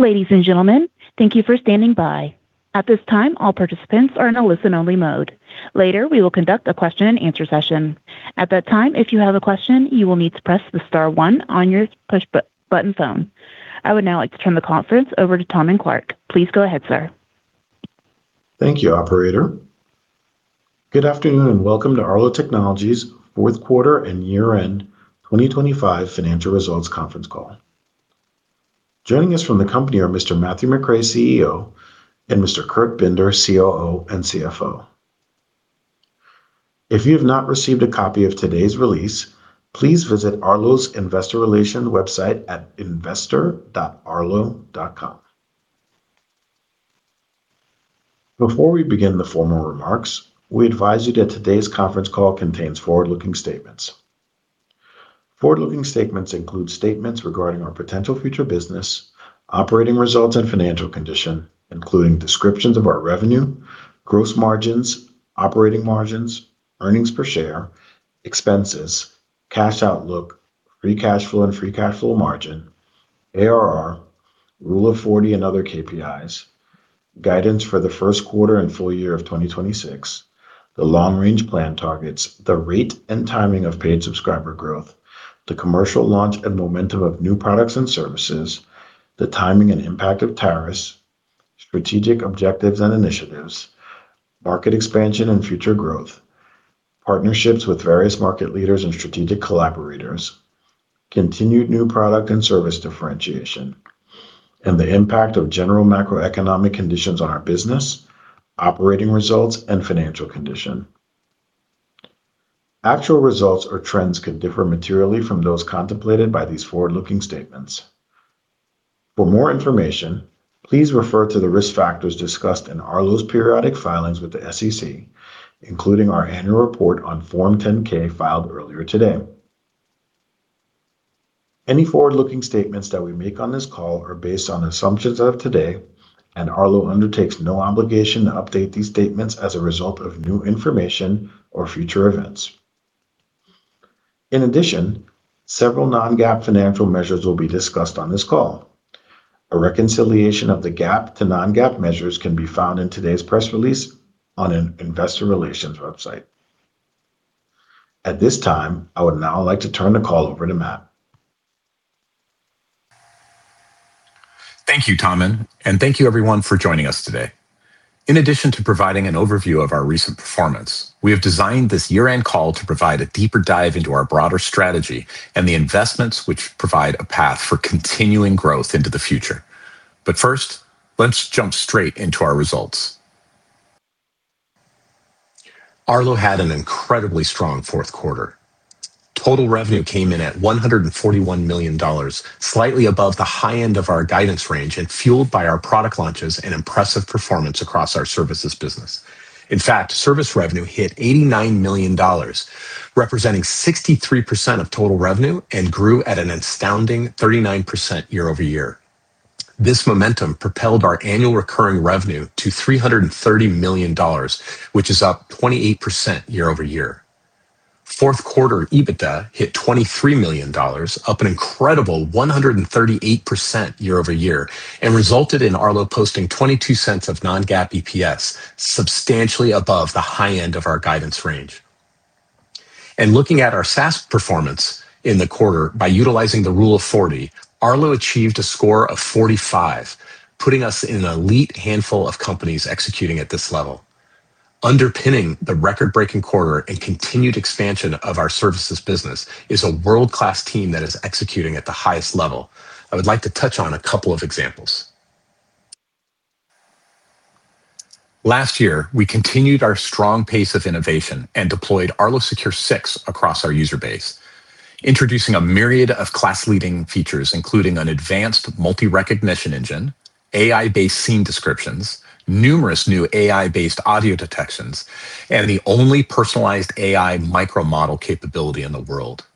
Ladies and gentlemen, thank you for standing by. At this time, all participants are in a listen-only mode. Later, we will conduct a question and answer session. At that time, if you have a question, you will need to press the star one on your button phone. I would now like to turn the conference over to Tahmin Clarke. Please go ahead, sir. Thank you, operator. Good afternoon, welcome to Arlo Technologies' Fourth Quarter and Year-End 2025 Financial Results Conference Call. Joining us from the company are Mr. Matthew McRae, CEO, and Mr. Kurt Binder, COO and CFO. If you have not received a copy of today's release, please visit Arlo's investor relations website at investor.arlo.com. Before we begin the formal remarks, we advise you that today's conference call contains forward-looking statements. Forward-looking statements include statements regarding our potential future business, operating results, and financial condition, including descriptions of our revenue, gross margins, operating margins, earnings per share, expenses, cash outlook, free cash flow and free cash flow margin, ARR, Rule of 40 and other KPIs, guidance for the first quarter and full year of 2026, the long-range plan targets, the rate and timing of paid subscriber growth, the commercial launch and momentum of new products and services, the timing and impact of tariffs, strategic objectives and initiatives, market expansion and future growth, partnerships with various market leaders and strategic collaborators, continued new product and service differentiation, and the impact of general macroeconomic conditions on our business, operating results, and financial condition. Actual results or trends could differ materially from those contemplated by these forward-looking statements. For more information, please refer to the risk factors discussed in Arlo's periodic filings with the SEC, including our annual report on Form 10-K, filed earlier today. Any forward-looking statements that we make on this call are based on assumptions as of today. Arlo undertakes no obligation to update these statements as a result of new information or future events. In addition, several non-GAAP financial measures will be discussed on this call. A reconciliation of the GAAP to non-GAAP measures can be found in today's press release on an investor relations website. At this time, I would now like to turn the call over to Matt. Thank you, Tahmin, and thank you everyone for joining us today. In addition to providing an overview of our recent performance, we have designed this year-end call to provide a deeper dive into our broader strategy and the investments which provide a path for continuing growth into the future. First, let's jump straight into our results. Arlo had an incredibly strong fourth quarter. Total revenue came in at $141 million, slightly above the high end of our guidance range and fueled by our product launches and impressive performance across our services business. In fact, service revenue hit $89 million, representing 63% of total revenue and grew at an astounding 39% year-over-year. This momentum propelled our annual recurring revenue to $330 million, which is up 28% year-over-year. Fourth quarter EBITDA hit $23 million, up an incredible 138% year-over-year, resulted in Arlo posting $0.22 of non-GAAP EPS, substantially above the high end of our guidance range. Looking at our SaaS performance in the quarter by utilizing the Rule of 40, Arlo achieved a score of 45, putting us in an elite handful of companies executing at this level. Underpinning the record-breaking quarter and continued expansion of our services business is a world-class team that is executing at the highest level. I would like to touch on a couple of examples. Last year, we continued our strong pace of innovation and deployed Arlo Secure 6 across our user base, introducing a myriad of class-leading features, including an advanced multi-recognition engine, AI-based scene descriptions, numerous new AI-based audio detections, and the only personalized AI micro model capability in the world.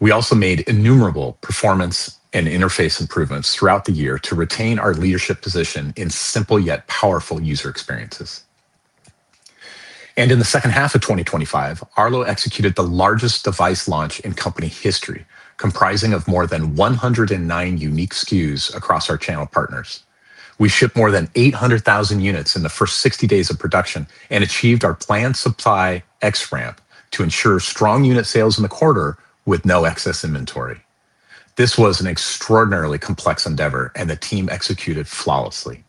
We also made innumerable performance and interface improvements throughout the year to retain our leadership position in simple yet powerful user experiences. In the second half of 2025, Arlo executed the largest device launch in company history, comprising of more than 109 unique SKUs across our channel partners. We shipped more than 800,000 units in the first 60 days of production and achieved our planned supply ramp to ensure strong unit sales in the quarter with no excess inventory. This was an extraordinarily complex endeavor, and the team executed flawlessly.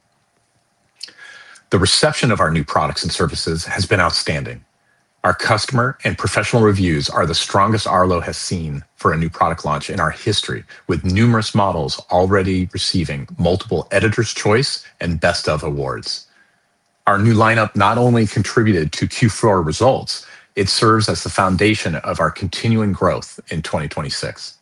The reception of our new products and services has been outstanding. Our customer and professional reviews are the strongest Arlo has seen for a new product launch in our history, with numerous models already receiving multiple Editor's Choice and Best of awards. Our new lineup not only contributed to Q4 results, it serves as the foundation of our continuing growth in 2026.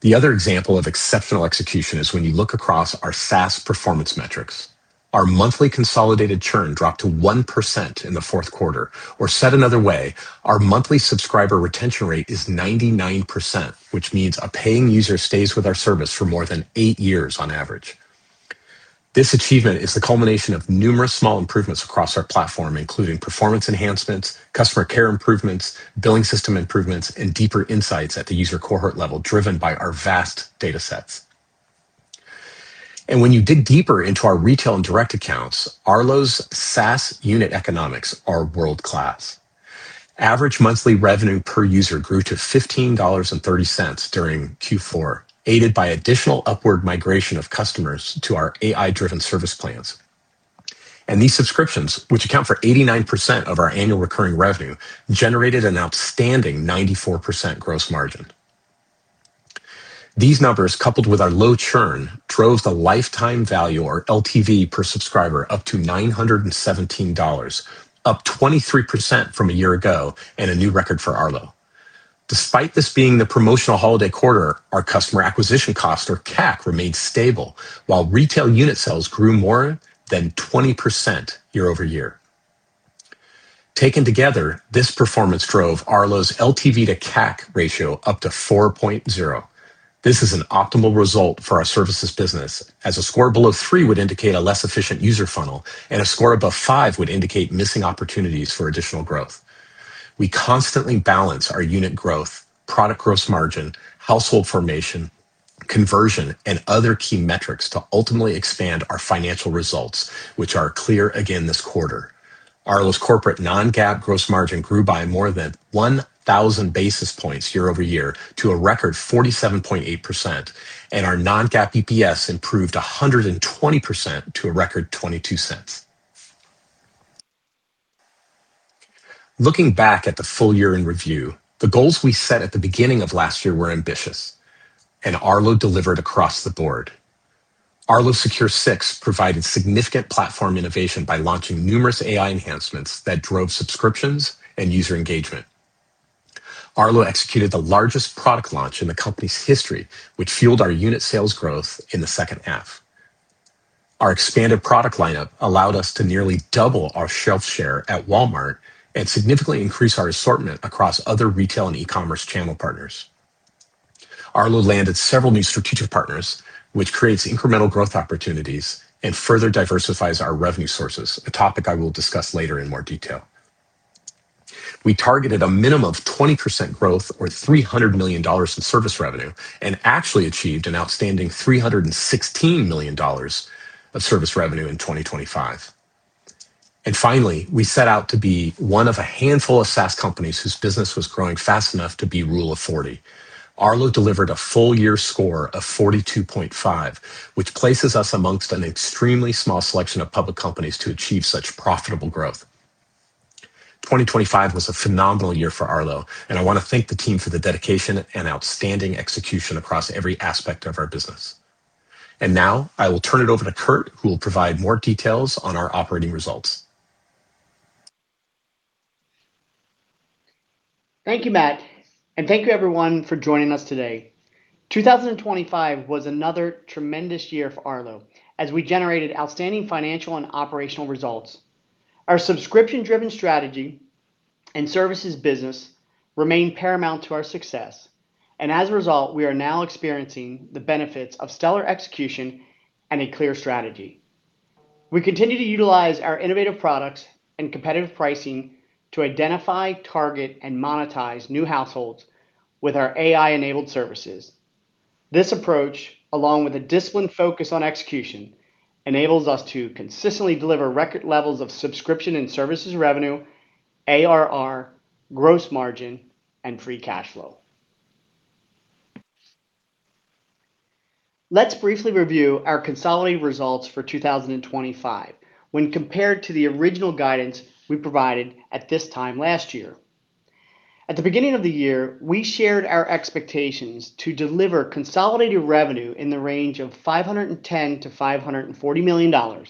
The other example of exceptional execution is when you look across our SaaS performance metrics. Our monthly consolidated churn dropped to 1% in the fourth quarter, or said another way, our monthly subscriber retention rate is 99%, which means a paying user stays with our service for more than eight years on average. This achievement is the culmination of numerous small improvements across our platform, including performance enhancements, customer care improvements, billing system improvements, and deeper insights at the user cohort level, driven by our vast data sets. When you dig deeper into our retail and direct accounts, Arlo's SaaS unit economics are world-class. Average monthly revenue per user grew to $15.30 during Q4, aided by additional upward migration of customers to our AI-driven service plans. These subscriptions, which account for 89% of our annual recurring revenue, generated an outstanding 94% gross margin. These numbers, coupled with our low churn, drove the lifetime value, or LTV, per subscriber up to $917, up 23% from a year ago, and a new record for Arlo. Despite this being the promotional holiday quarter, our customer acquisition cost, or CAC, remained stable, while retail unit sales grew more than 20% year-over-year. Taken together, this performance drove Arlo's LTV to CAC ratio up to 4.0. This is an optimal result for our services business, as a score below three would indicate a less efficient user funnel, and a score above five would indicate missing opportunities for additional growth. We constantly balance our unit growth, product gross margin, household formation, conversion, and other key metrics to ultimately expand our financial results, which are clear again this quarter. Arlo's corporate non-GAAP gross margin grew by more than 1,000 basis points year-over-year to a record 47.8%, and our non-GAAP EPS improved 120% to a record $0.22. Looking back at the full year in review, the goals we set at the beginning of last year were ambitious, and Arlo delivered across the board. Arlo Secure 6 provided significant platform innovation by launching numerous AI enhancements that drove subscriptions and user engagement. Arlo executed the largest product launch in the company's history, which fueled our unit sales growth in the second half. Our expanded product lineup allowed us to nearly double our shelf share at Walmart and significantly increase our assortment across other retail and e-commerce channel partners. Arlo landed several new strategic partners, which creates incremental growth opportunities and further diversifies our revenue sources, a topic I will discuss later in more detail. We targeted a minimum of 20% growth or $300 million in service revenue, actually achieved an outstanding $316 million of service revenue in 2025. Finally, we set out to be one of a handful of SaaS companies whose business was growing fast enough to be Rule of 40. Arlo delivered a full-year score of 42.5%, which places us amongst an extremely small selection of public companies to achieve such profitable growth. 2025 was a phenomenal year for Arlo, and I want to thank the team for the dedication and outstanding execution across every aspect of our business. Now I will turn it over to Kurt, who will provide more details on our operating results. Thank you, Matt. Thank you, everyone, for joining us today. 2025 was another tremendous year for Arlo as we generated outstanding financial and operational results. Our subscription-driven strategy and services business remain paramount to our success. As a result, we are now experiencing the benefits of stellar execution and a clear strategy. We continue to utilize our innovative products and competitive pricing to identify, target, and monetize new households with our AI-enabled services. This approach, along with a disciplined focus on execution, enables us to consistently deliver record levels of subscription and services revenue, ARR, gross margin, and free cash flow. Let's briefly review our consolidated results for 2025 when compared to the original guidance we provided at this time last year. At the beginning of the year, we shared our expectations to deliver consolidated revenue in the range of $510 million-$540 million,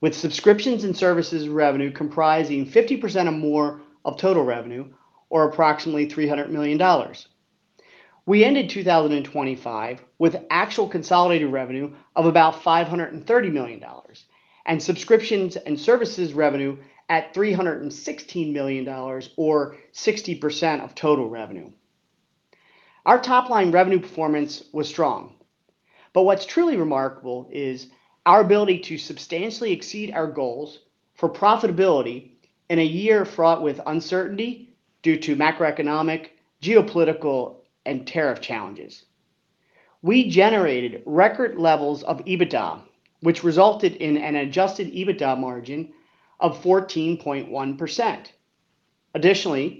with subscriptions and services revenue comprising 50% or more of total revenue, or approximately $300 million. We ended 2025 with actual consolidated revenue of about $530 million, and subscriptions and services revenue at $316 million, or 60% of total revenue. Our top-line revenue performance was strong, what's truly remarkable is our ability to substantially exceed our goals for profitability in a year fraught with uncertainty due to macroeconomic, geopolitical, and tariff challenges. We generated record levels of EBITDA, which resulted in an adjusted EBITDA margin of 14.1%.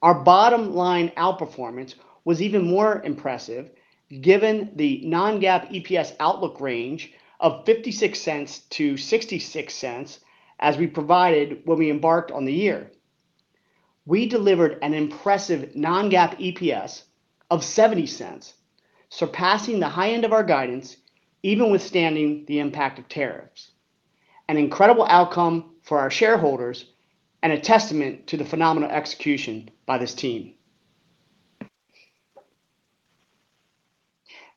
Our bottom-line outperformance was even more impressive given the non-GAAP EPS outlook range of $0.56-$0.66 as we provided when we embarked on the year. We delivered an impressive non-GAAP EPS of $0.70, surpassing the high end of our guidance, even withstanding the impact of tariffs, an incredible outcome for our shareholders and a testament to the phenomenal execution by this team.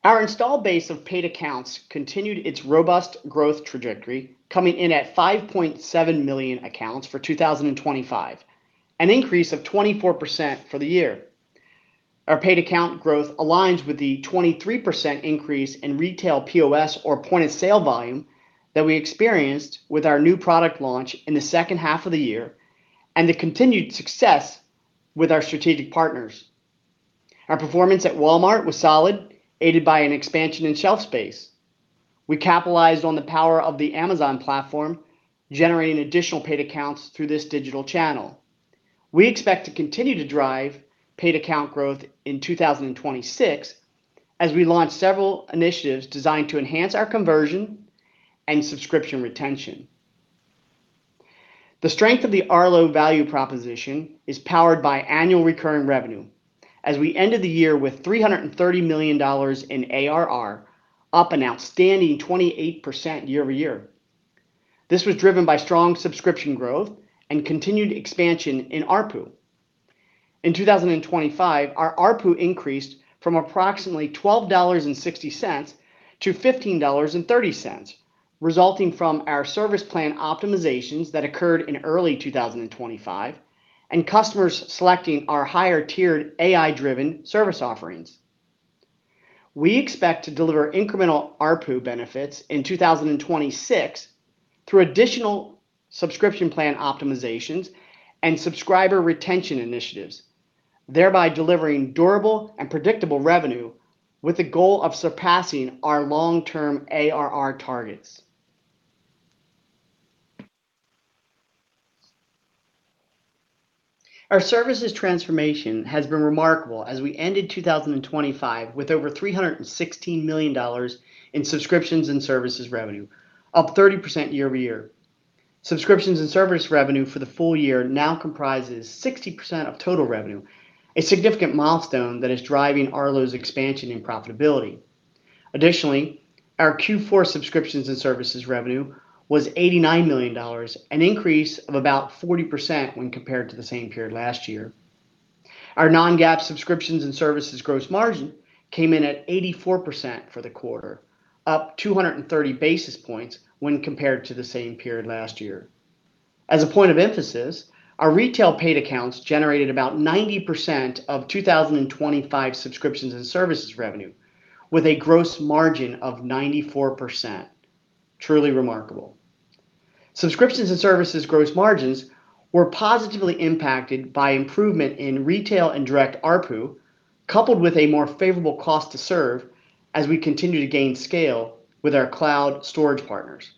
Our installed base of paid accounts continued its robust growth trajectory, coming in at 5.7 million accounts for 2025, an increase of 24% for the year. Our paid account growth aligns with the 23% increase in retail POS, or point of sale volume, that we experienced with our new product launch in the second half of the year, and the continued success with our strategic partners. Our performance at Walmart was solid, aided by an expansion in shelf space. We capitalized on the power of the Amazon platform, generating additional paid accounts through this digital channel. We expect to continue to drive paid account growth in 2026 as we launch several initiatives designed to enhance our conversion and subscription retention. The strength of the Arlo value proposition is powered by annual recurring revenue. We ended the year with $330 million in ARR, up an outstanding 28% year-over-year. This was driven by strong subscription growth and continued expansion in ARPU. In 2025, our ARPU increased from approximately $12.60-$15.30, resulting from our service plan optimizations that occurred in early 2025, and customers selecting our higher-tiered AI-driven service offerings. We expect to deliver incremental ARPU benefits in 2026 through additional subscription plan optimizations and subscriber retention initiatives, thereby delivering durable and predictable revenue with the goal of surpassing our long-term ARR targets. Our services transformation has been remarkable as we ended 2025 with over $316 million in subscriptions and services revenue, up 30% year-over-year. Subscriptions and services revenue for the full year now comprises 60% of total revenue, a significant milestone that is driving Arlo's expansion and profitability. Additionally, our Q4 subscriptions and services revenue was $89 million, an increase of about 40% when compared to the same period last year. Our non-GAAP subscriptions and services gross margin came in at 84% for the quarter, up 230 basis points when compared to the same period last year. As a point of emphasis, our retail paid accounts generated about 90% of 2025 subscriptions and services revenue, with a gross margin of 94%. Truly remarkable. Subscriptions and services gross margins were positively impacted by improvement in retail and direct ARPU, coupled with a more favorable cost to serve as we continue to gain scale with our cloud storage partners.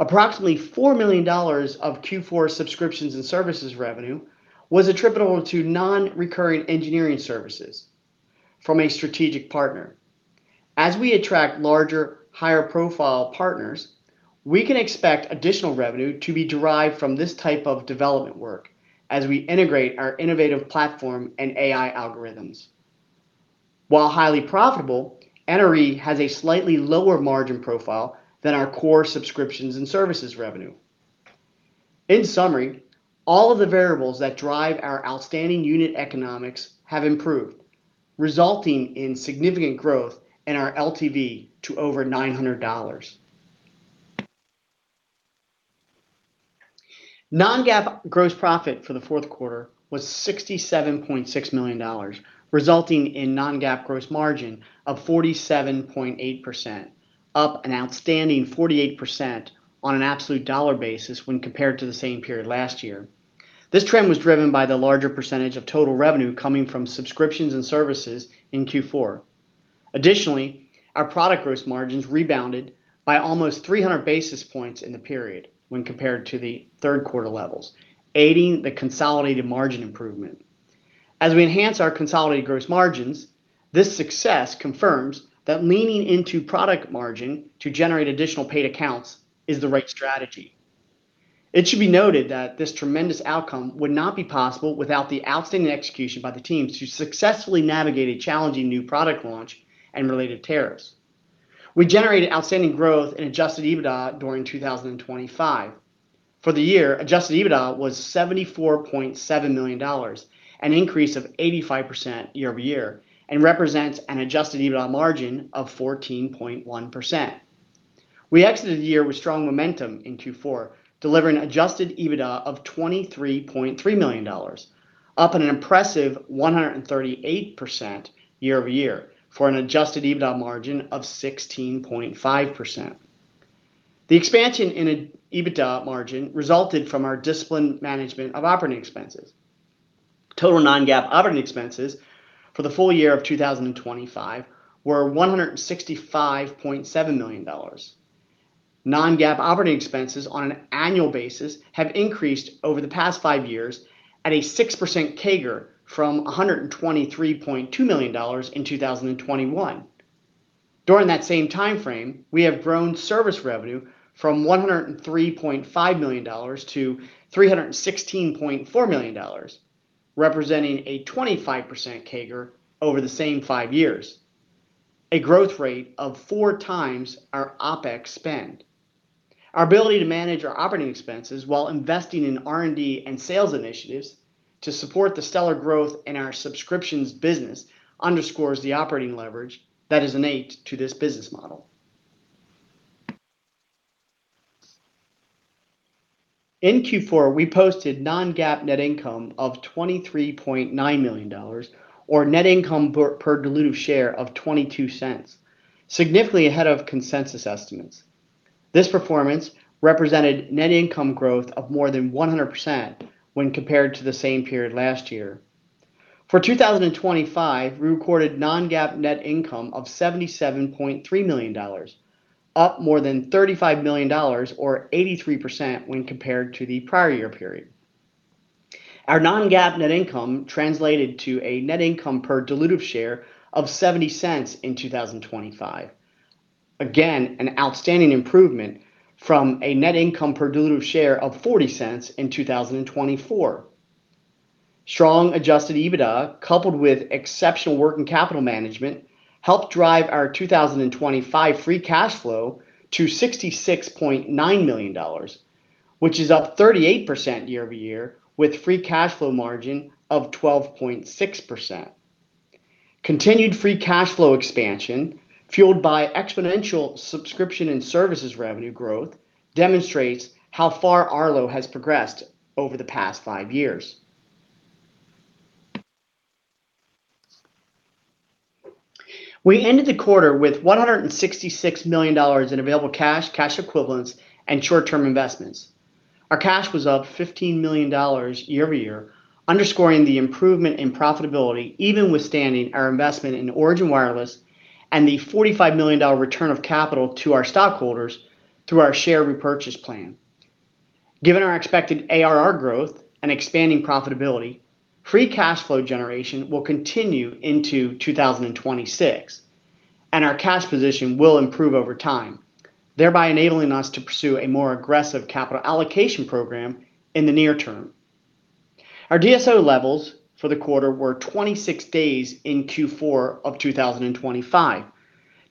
Approximately $4 million of Q4 subscriptions and services revenue was attributable to non-recurring engineering services from a strategic partner. As we attract larger, higher-profile partners, we can expect additional revenue to be derived from this type of development work as we integrate our innovative platform and AI algorithms. While highly profitable, NRE has a slightly lower margin profile than our core subscriptions and services revenue. All of the variables that drive our outstanding unit economics have improved, resulting in significant growth in our LTV to over $900. Non-GAAP gross profit for the fourth quarter was $67.6 million, resulting in non-GAAP gross margin of 47.8%, up an outstanding 48% on an absolute dollar basis when compared to the same period last year. This trend was driven by the larger percentage of total revenue coming from subscriptions and services in Q4. Our product gross margins rebounded by almost 300 basis points in the period when compared to the third quarter levels, aiding the consolidated margin improvement. As we enhance our consolidated gross margins, this success confirms that leaning into product margin to generate additional paid accounts is the right strategy. It should be noted that this tremendous outcome would not be possible without the outstanding execution by the teams who successfully navigated challenging new product launch and related tariffs. We generated outstanding growth in adjusted EBITDA during 2025. For the year, adjusted EBITDA was $74.7 million, an increase of 85% year-over-year, and represents an adjusted EBITDA margin of 14.1%. We exited the year with strong momentum in Q4, delivering adjusted EBITDA of $23.3 million, up an impressive 138% year-over-year, for an adjusted EBITDA margin of 16.5%. The expansion in EBITDA margin resulted from our disciplined management of operating expenses. Total non-GAAP operating expenses for the full year of 2025 were $165.7 million. Non-GAAP operating expenses on an annual basis have increased over the past five years at a 6% CAGR from $123.2 million in 2021. During that same time frame, we have grown service revenue from $103.5 million-$316.4 million, representing a 25% CAGR over the same five years, a growth rate of four times our OpEx spend. Our ability to manage our operating expenses while investing in R&D and sales initiatives to support the stellar growth in our subscriptions business underscores the operating leverage that is innate to this business model. In Q4, we posted non-GAAP net income of $23.9 million or net income per dilutive share of $0.22, significantly ahead of consensus estimates. This performance represented net income growth of more than 100% when compared to the same period last year. For 2025, we recorded non-GAAP net income of $77.3 million, up more than $35 million or 83% when compared to the prior year period. Our non-GAAP net income translated to a net income per dilutive share of $0.70 in 2025. Again, an outstanding improvement from a net income per dilutive share of $0.40 in 2024. Strong adjusted EBITDA, coupled with exceptional working capital management, helped drive our 2025 free cash flow to $66.9 million, which is up 38% year-over-year, with free cash flow margin of 12.6%. Continued free cash flow expansion, fueled by exponential subscription and services revenue growth, demonstrates how far Arlo has progressed over the past five years. We ended the quarter with $166 million in available cash equivalents, and short-term investments. Our cash was up $15 million year-over-year, underscoring the improvement in profitability, even withstanding our investment in Origin AI and the $45 million dollar return of capital to our stockholders through our share repurchase plan. Given our expected ARR growth and expanding profitability, free cash flow generation will continue into 2026, and our cash position will improve over time, thereby enabling us to pursue a more aggressive capital allocation program in the near term. Our DSO levels for the quarter were 26 days in Q4 of 2025,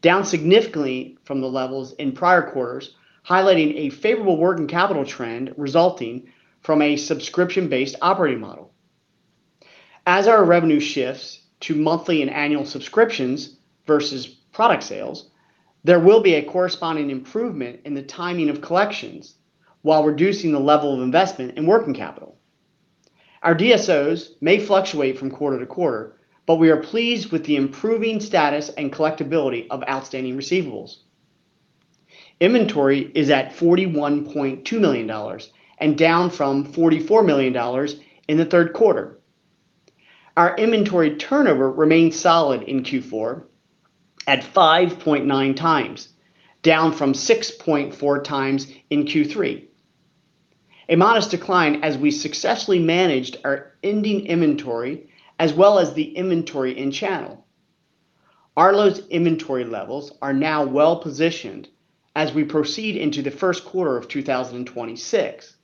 down significantly from the levels in prior quarters, highlighting a favorable working capital trend resulting from a subscription-based operating model. As our revenue shifts to monthly and annual subscriptions versus product sales, there will be a corresponding improvement in the timing of collections while reducing the level of investment in working capital. Our DSOs may fluctuate from quarter to quarter, but we are pleased with the improving status and collectibility of outstanding receivables. Inventory is at $41.2 million, and down from $44 million in the third quarter. Our inventory turnover remained solid in Q4 at 5.9 times, down from 6.4 times in Q3. A modest decline as we successfully managed our ending inventory, as well as the inventory in channel. Arlo's inventory levels are now well-positioned as we proceed into the first quarter of 2026,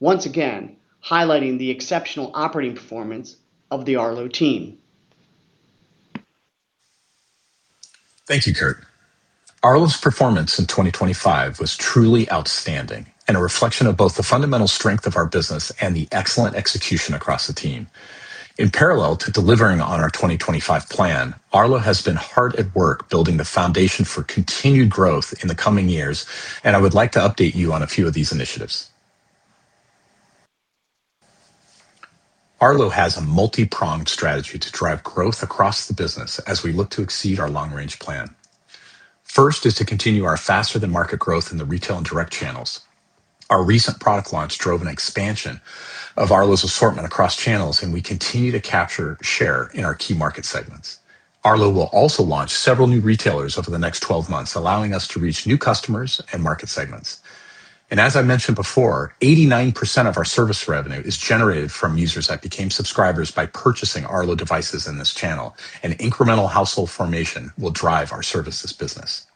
once again, highlighting the exceptional operating performance of the Arlo team. Thank you, Kurt. Arlo's performance in 2025 was truly outstanding and a reflection of both the fundamental strength of our business and the excellent execution across the team. In parallel to delivering on our 2025 plan, Arlo has been hard at work building the foundation for continued growth in the coming years, and I would like to update you on a few of these initiatives. Arlo has a multi-pronged strategy to drive growth across the business as we look to exceed our long-range plan. First is to continue our faster-than-market growth in the retail and direct channels. Our recent product launch drove an expansion of Arlo's assortment across channels, and we continue to capture share in our key market segments. Arlo will also launch several new retailers over the next 12 months, allowing us to reach new customers and market segments. As I mentioned before, 89% of our service revenue is generated from users that became subscribers by purchasing Arlo devices in this channel. Incremental household formation will drive our services business.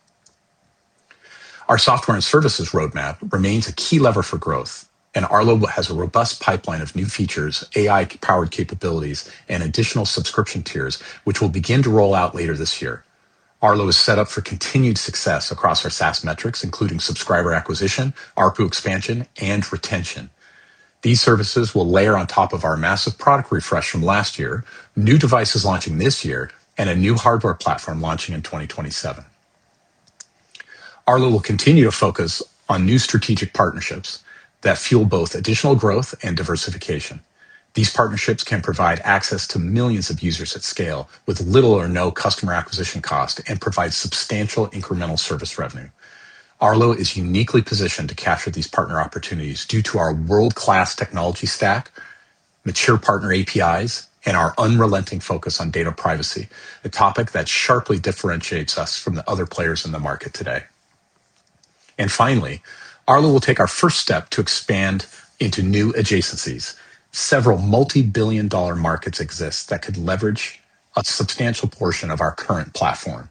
Our software and services roadmap remains a key lever for growth. Arlo has a robust pipeline of new features, AI-powered capabilities, and additional subscription tiers, which will begin to roll out later this year. Arlo is set up for continued success across our SaaS metrics, including subscriber acquisition, ARPU expansion, and retention. These services will layer on top of our massive product refresh from last year, new devices launching this year, and a new hardware platform launching in 2027. Arlo will continue to focus on new strategic partnerships that fuel both additional growth and diversification. These partnerships can provide access to millions of users at scale, with little or no customer acquisition cost, and provide substantial incremental service revenue. Arlo is uniquely positioned to capture these partner opportunities due to our world-class technology stack, mature partner APIs, and our unrelenting focus on data privacy, a topic that sharply differentiates us from the other players in the market today. Finally, Arlo will take our first step to expand into new adjacencies. Several multi-billion dollar markets exist that could leverage a substantial portion of our current platform.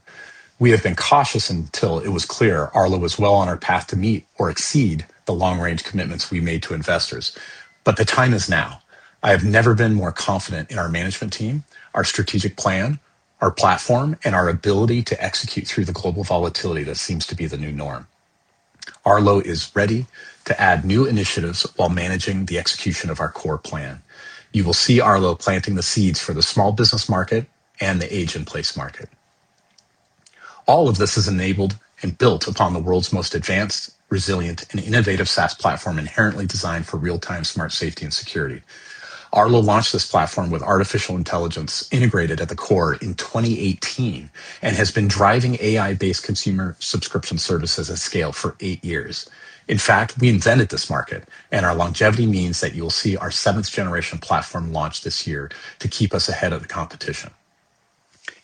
We have been cautious until it was clear Arlo was well on our path to meet or exceed the long-range commitments we made to investors. The time is now. I have never been more confident in our management team, our strategic plan, our platform, and our ability to execute through the global volatility that seems to be the new norm. Arlo is ready to add new initiatives while managing the execution of our core plan. You will see Arlo planting the seeds for the small business market and the aging-in-place market. All of this is enabled and built upon the world's most advanced, resilient, and innovative SaaS platform, inherently designed for real-time smart safety and security. Arlo launched this platform with artificial intelligence integrated at the core in 2018, and has been driving AI-based consumer subscription services at scale for eight years. In fact, we invented this market, and our longevity means that you'll see our seventh generation platform launch this year to keep us ahead of the competition.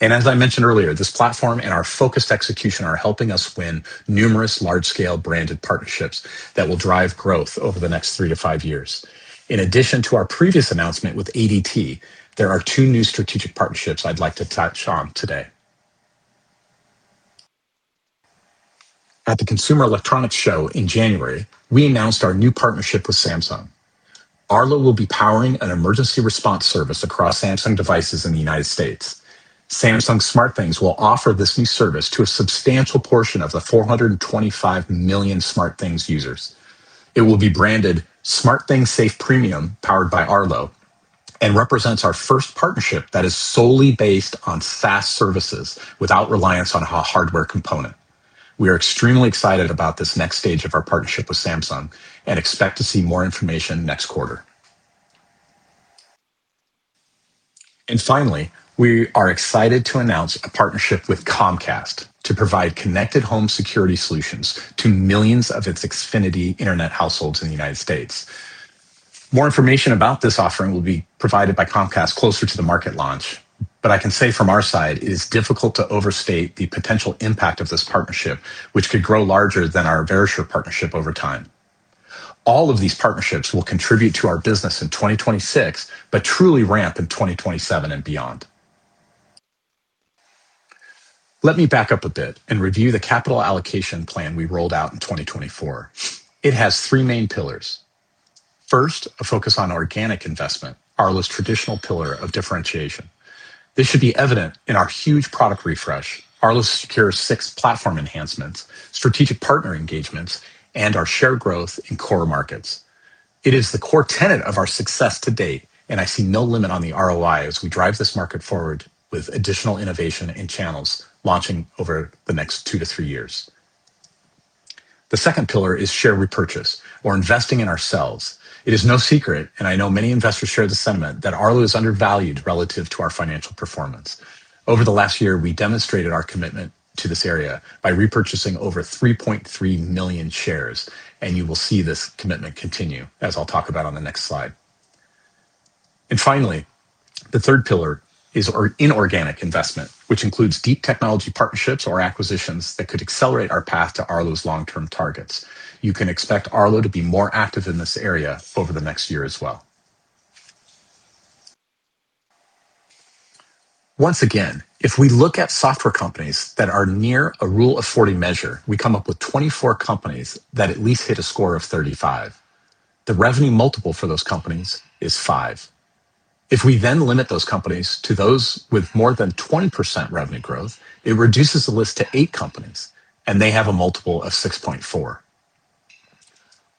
As I mentioned earlier, this platform and our focused execution are helping us win numerous large-scale branded partnerships that will drive growth over the next three to five years. In addition to our previous announcement with ADT, there are two new strategic partnerships I'd like to touch on today. At the Consumer Electronics Show in January, we announced our new partnership with Samsung. Arlo will be powering an emergency response service across Samsung devices in the United States. Samsung SmartThings will offer this new service to a substantial portion of the 425 million SmartThings users. It will be branded SmartThings Safe Premium, powered by Arlo, and represents our first partnership that is solely based on SaaS services without reliance on a hardware component. We are extremely excited about this next stage of our partnership with Samsung and expect to see more information next quarter. Finally, we are excited to announce a partnership with Comcast to provide connected home security solutions to millions of its Xfinity internet households in the United States. More information about this offering will be provided by Comcast closer to the market launch, I can say from our side, it is difficult to overstate the potential impact of this partnership, which could grow larger than our Verisure partnership over time. All of these partnerships will contribute to our business in 2026, but truly ramp in 2027 and beyond. Let me back up a bit and review the capital allocation plan we rolled out in 2024. It has three main pillars. First, a focus on organic investment, Arlo's traditional pillar of differentiation. This should be evident in our huge product refresh, Arlo Secure 6 platform enhancements, strategic partner engagements, and our shared growth in core markets. It is the core tenet of our success to date. I see no limit on the ROI as we drive this market forward with additional innovation and channels launching over the next two to three years. The second pillar is share repurchase or investing in ourselves. It is no secret. I know many investors share the sentiment that Arlo is undervalued relative to our financial performance. Over the last year, we demonstrated our commitment to this area by repurchasing over 3.3 million shares. You will see this commitment continue, as I'll talk about on the next slide. Finally, the third pillar is inorganic investment, which includes deep technology partnerships or acquisitions that could accelerate our path to Arlo's long-term targets. You can expect Arlo to be more active in this area over the next year as well. Once again, if we look at software companies that are near a Rule of 40 measure, we come up with 24 companies that at least hit a score of 35. The revenue multiple for those companies is 5x. If we then limit those companies to those with more than 20% revenue growth, it reduces the list to eight companies. They have a multiple of 6.4x.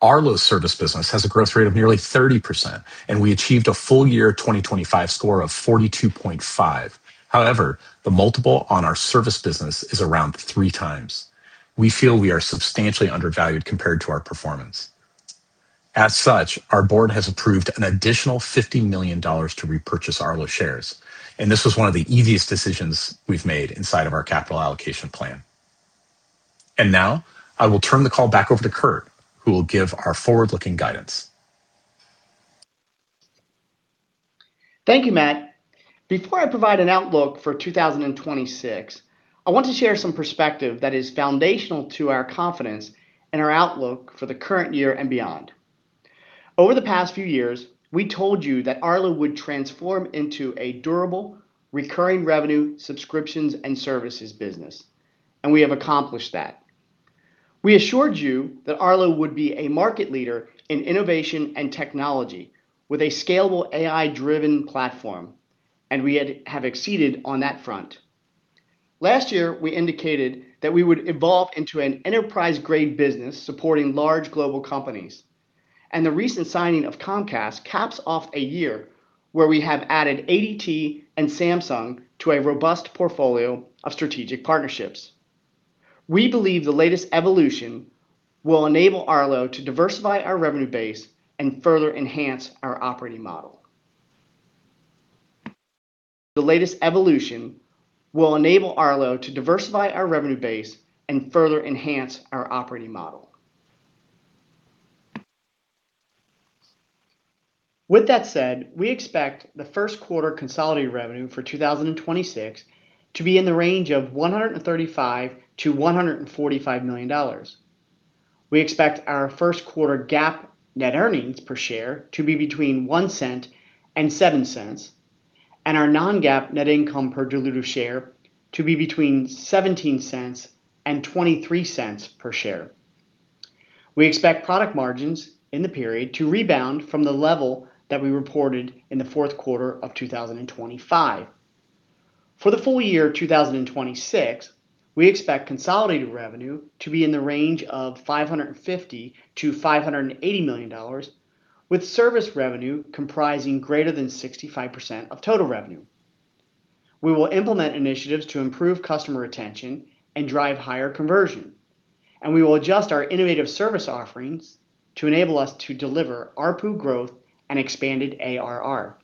Arlo's service business has a growth rate of nearly 30%. We achieved a full year 2025 score of 42.5. However, the multiple on our service business is around 3x. We feel we are substantially undervalued compared to our performance. As such, our board has approved an additional $50 million to repurchase Arlo shares. This was one of the easiest decisions we've made inside of our capital allocation plan. Now I will turn the call back over to Kurt, who will give our forward-looking guidance. Thank you, Matt. Before I provide an outlook for 2026, I want to share some perspective that is foundational to our confidence and our outlook for the current year and beyond. Over the past few years, we told you that Arlo would transform into a durable, recurring revenue, subscriptions, and services business, we have accomplished that. We assured you that Arlo would be a market leader in innovation and technology with a scalable AI-driven platform, we have exceeded on that front. Last year, we indicated that we would evolve into an enterprise-grade business supporting large global companies, the recent signing of Comcast caps off a year where we have added ADT and Samsung to a robust portfolio of strategic partnerships. We believe the latest evolution will enable Arlo to diversify our revenue base and further enhance our operating model. The latest evolution will enable Arlo to diversify our revenue base and further enhance our operating model. With that said, we expect the first quarter consolidated revenue for 2026 to be in the range of $135 million-$145 million. We expect our first quarter GAAP net earnings per share to be between $0.01 and $0.07, and our non-GAAP net income per diluted share to be between $0.17 and $0.23 per share. We expect product margins in the period to rebound from the level that we reported in the fourth quarter of 2025. For the full year 2026, we expect consolidated revenue to be in the range of $550 million-$580 million. With service revenue comprising greater than 65% of total revenue. We will implement initiatives to improve customer retention and drive higher conversion, and we will adjust our innovative service offerings to enable us to deliver ARPU growth and expanded ARR.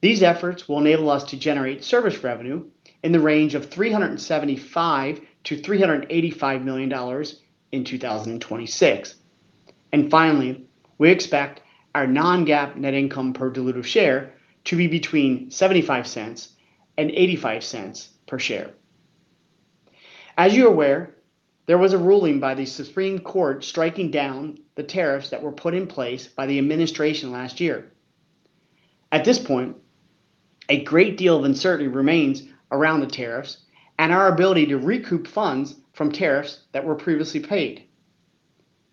These efforts will enable us to generate service revenue in the range of $375 million-$385 million in 2026. Finally, we expect our non-GAAP net income per dilutive share to be between $0.75 and $0.85 per share. As you're aware, there was a ruling by the Supreme Court striking down the tariffs that were put in place by the administration last year. At this point, a great deal of uncertainty remains around the tariffs and our ability to recoup funds from tariffs that were previously paid.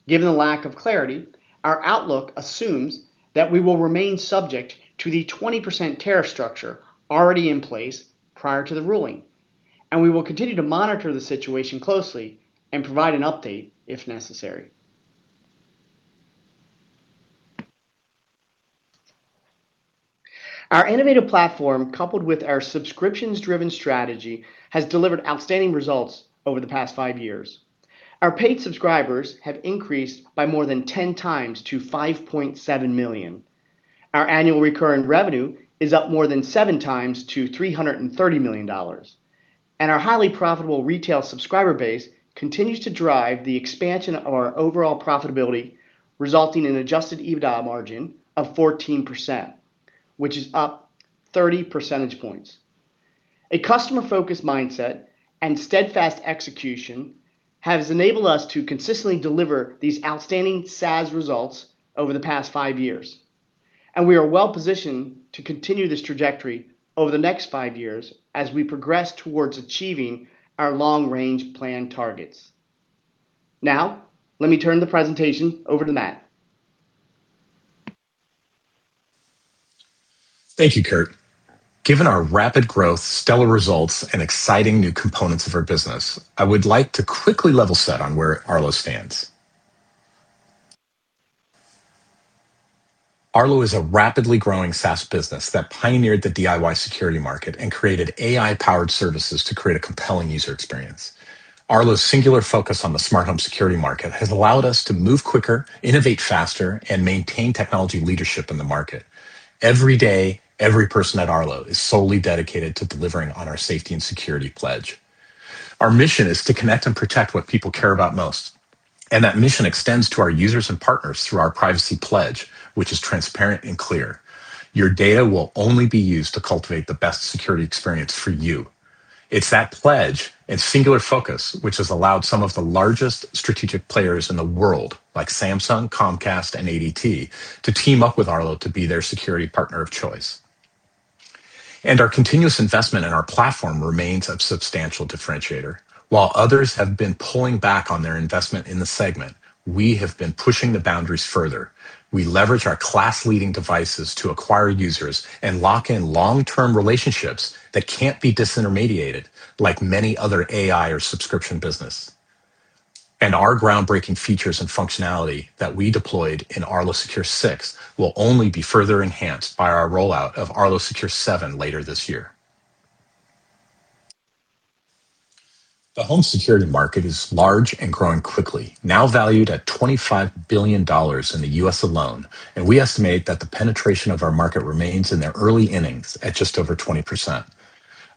Given the lack of clarity, our outlook assumes that we will remain subject to the 20% tariff structure already in place prior to the ruling. We will continue to monitor the situation closely and provide an update if necessary. Our innovative platform, coupled with our subscriptions-driven strategy, has delivered outstanding results over the past five years. Our paid subscribers have increased by more than 10 times to 5.7 million. Our annual recurring revenue is up more than seven times to $330 million. Our highly profitable retail subscriber base continues to drive the expansion of our overall profitability, resulting in an adjusted EBITDA margin of 14%, which is up 30 percentage points. A customer-focused mindset and steadfast execution has enabled us to consistently deliver these outstanding SaaS results over the past five years. We are well positioned to continue this trajectory over the next five years as we progress towards achieving our long-range plan targets. Now, let me turn the presentation over to Matt. Thank you, Kurt. Given our rapid growth, stellar results, and exciting new components of our business, I would like to quickly level set on where Arlo stands. Arlo is a rapidly growing SaaS business that pioneered the DIY security market and created AI-powered services to create a compelling user experience. Arlo's singular focus on the smart home security market has allowed us to move quicker, innovate faster, and maintain technology leadership in the market. Every day, every person at Arlo is solely dedicated to delivering on our safety and security pledge. Our mission is to connect and protect what people care about most, and that mission extends to our users and partners through our privacy pledge, which is transparent and clear. Your data will only be used to cultivate the best security experience for you. It's that pledge and singular focus which has allowed some of the largest strategic players in the world, like Samsung, Comcast, and ADT, to team up with Arlo to be their security partner of choice. Our continuous investment in our platform remains a substantial differentiator. While others have been pulling back on their investment in the segment, we have been pushing the boundaries further. We leverage our class-leading devices to acquire users and lock in long-term relationships that can't be disintermediated, like many other AI or subscription business. Our groundbreaking features and functionality that we deployed in Arlo Secure 6 will only be further enhanced by our rollout of Arlo Secure 7 later this year. The home security market is large and growing quickly, now valued at $25 billion in the U.S. alone, and we estimate that the penetration of our market remains in the early innings at just over 20%.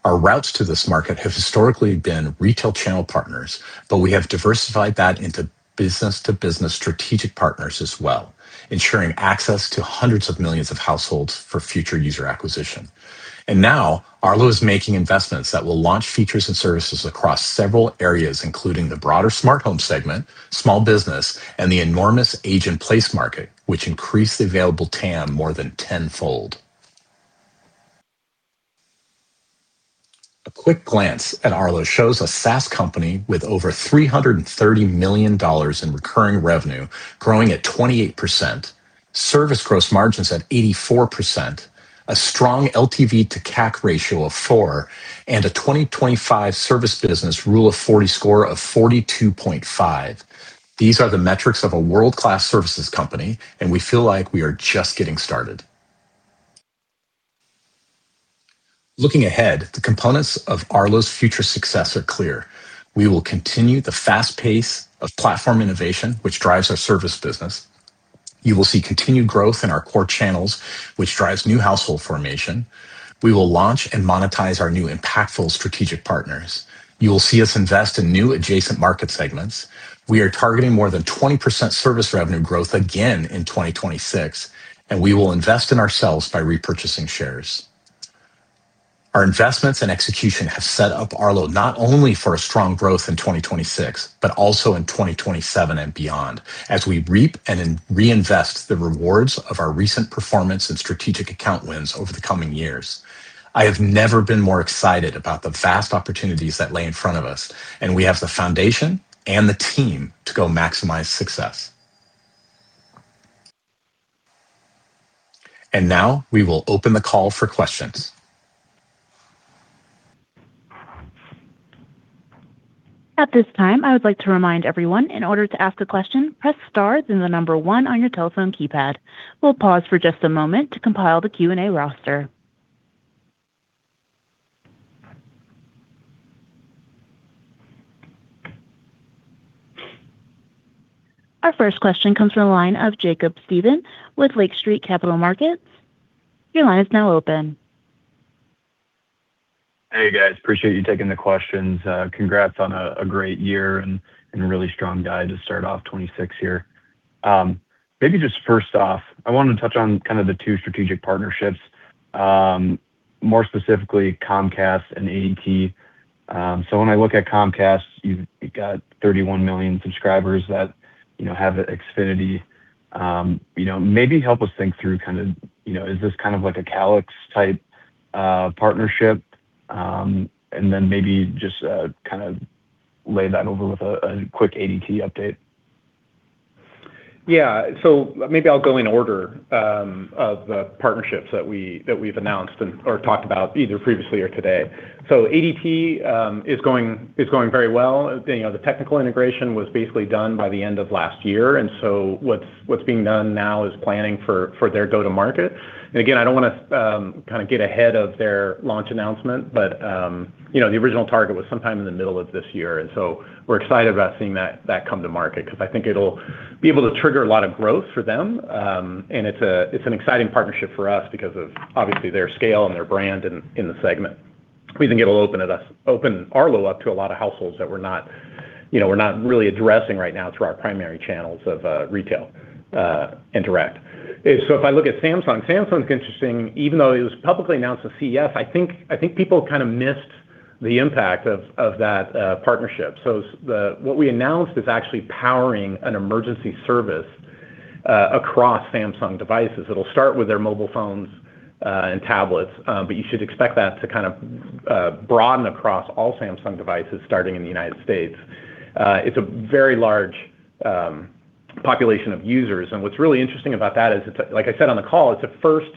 Our routes to this market have historically been retail channel partners, but we have diversified that into business-to-business strategic partners as well, ensuring access to hundreds of millions of households for future user acquisition. Now, Arlo is making investments that will launch features and services across several areas, including the broader smart home segment, small business, and the enormous aging-in-place market, which increase the available TAM more than tenfold. A quick glance at Arlo shows a SaaS company with over $330 million in recurring revenue, growing at 28%, service gross margins at 84%, a strong LTV to CAC ratio of four, and a 2025 service business Rule of 40 score of 42.5. These are the metrics of a world-class services company, and we feel like we are just getting started. Looking ahead, the components of Arlo's future success are clear. We will continue the fast pace of platform innovation, which drives our service business. You will see continued growth in our core channels, which drives new household formation. We will launch and monetize our new impactful strategic partners. You will see us invest in new adjacent market segments. We are targeting more than 20% service revenue growth again in 2026. We will invest in ourselves by repurchasing shares. Our investments and execution have set up Arlo not only for a strong growth in 2026, but also in 2027 and beyond, as we reap and reinvest the rewards of our recent performance and strategic account wins over the coming years. I have never been more excited about the vast opportunities that lay in front of us. We have the foundation and the team to go maximize success. Now, we will open the call for questions. At this time, I would like to remind everyone, in order to ask a question, press star, then one on your telephone keypad. We'll pause for just a moment to compile the Q&A roster. Our first question comes from the line of Jacob Stephan with Lake Street Capital Markets. Your line is now open. Hey, guys. Appreciate you taking the questions. Congrats on a great year and a really strong guide to start off 2026 here. Maybe just first off, I wanted to touch on kind of the two strategic partnerships, more specifically, Comcast and ADT. When I look at Comcast, you've got 31 million subscribers that, you know, have Xfinity. you know, maybe help us think through kind of, you know, is this kind of like a Calix type partnership? Maybe just kind of lay that over with a quick ADT update. Maybe I'll go in order of the partnerships that we've announced and or talked about, either previously or today. ADT is going very well. You know, the technical integration was basically done by the end of last year. What's being done now is planning for their go-to-market. Again, I don't want to kind of get ahead of their launch announcement, but, you know, the original target was sometime in the middle of this year. We're excited about seeing that come to market, because I think it'll be able to trigger a lot of growth for them. It's an exciting partnership for us because of, obviously, their scale and their brand in the segment. We think it'll open Arlo up to a lot of households that we're not, you know, we're not really addressing right now through our primary channels of retail, interact. If I look at Samsung is interesting. Even though it was publicly announced to CES, I think people kind of missed the impact of that partnership. The, what we announced is actually powering an emergency service across Samsung devices. It'll start with their mobile phones and tablets, but you should expect that to kind of broaden across all Samsung devices starting in the United States. It's a very large population of users, and what's really interesting about that is, like I said on the call, it's the first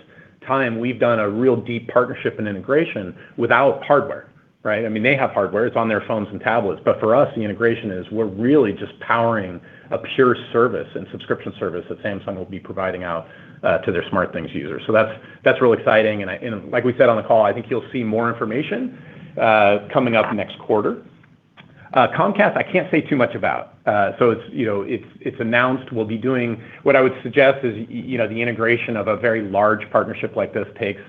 time we've done a real deep partnership and integration without hardware, right? I mean, they have hardware, it's on their phones and tablets, but for us, the integration is we're really just powering a pure service and subscription service that Samsung will be providing out to their SmartThings users. That's really exciting, like we said on the call, I think you'll see more information coming up next quarter. Comcast, I can't say too much about. It's, you know, it's announced. What I would suggest is, you know, the integration of a very large partnership like this takes,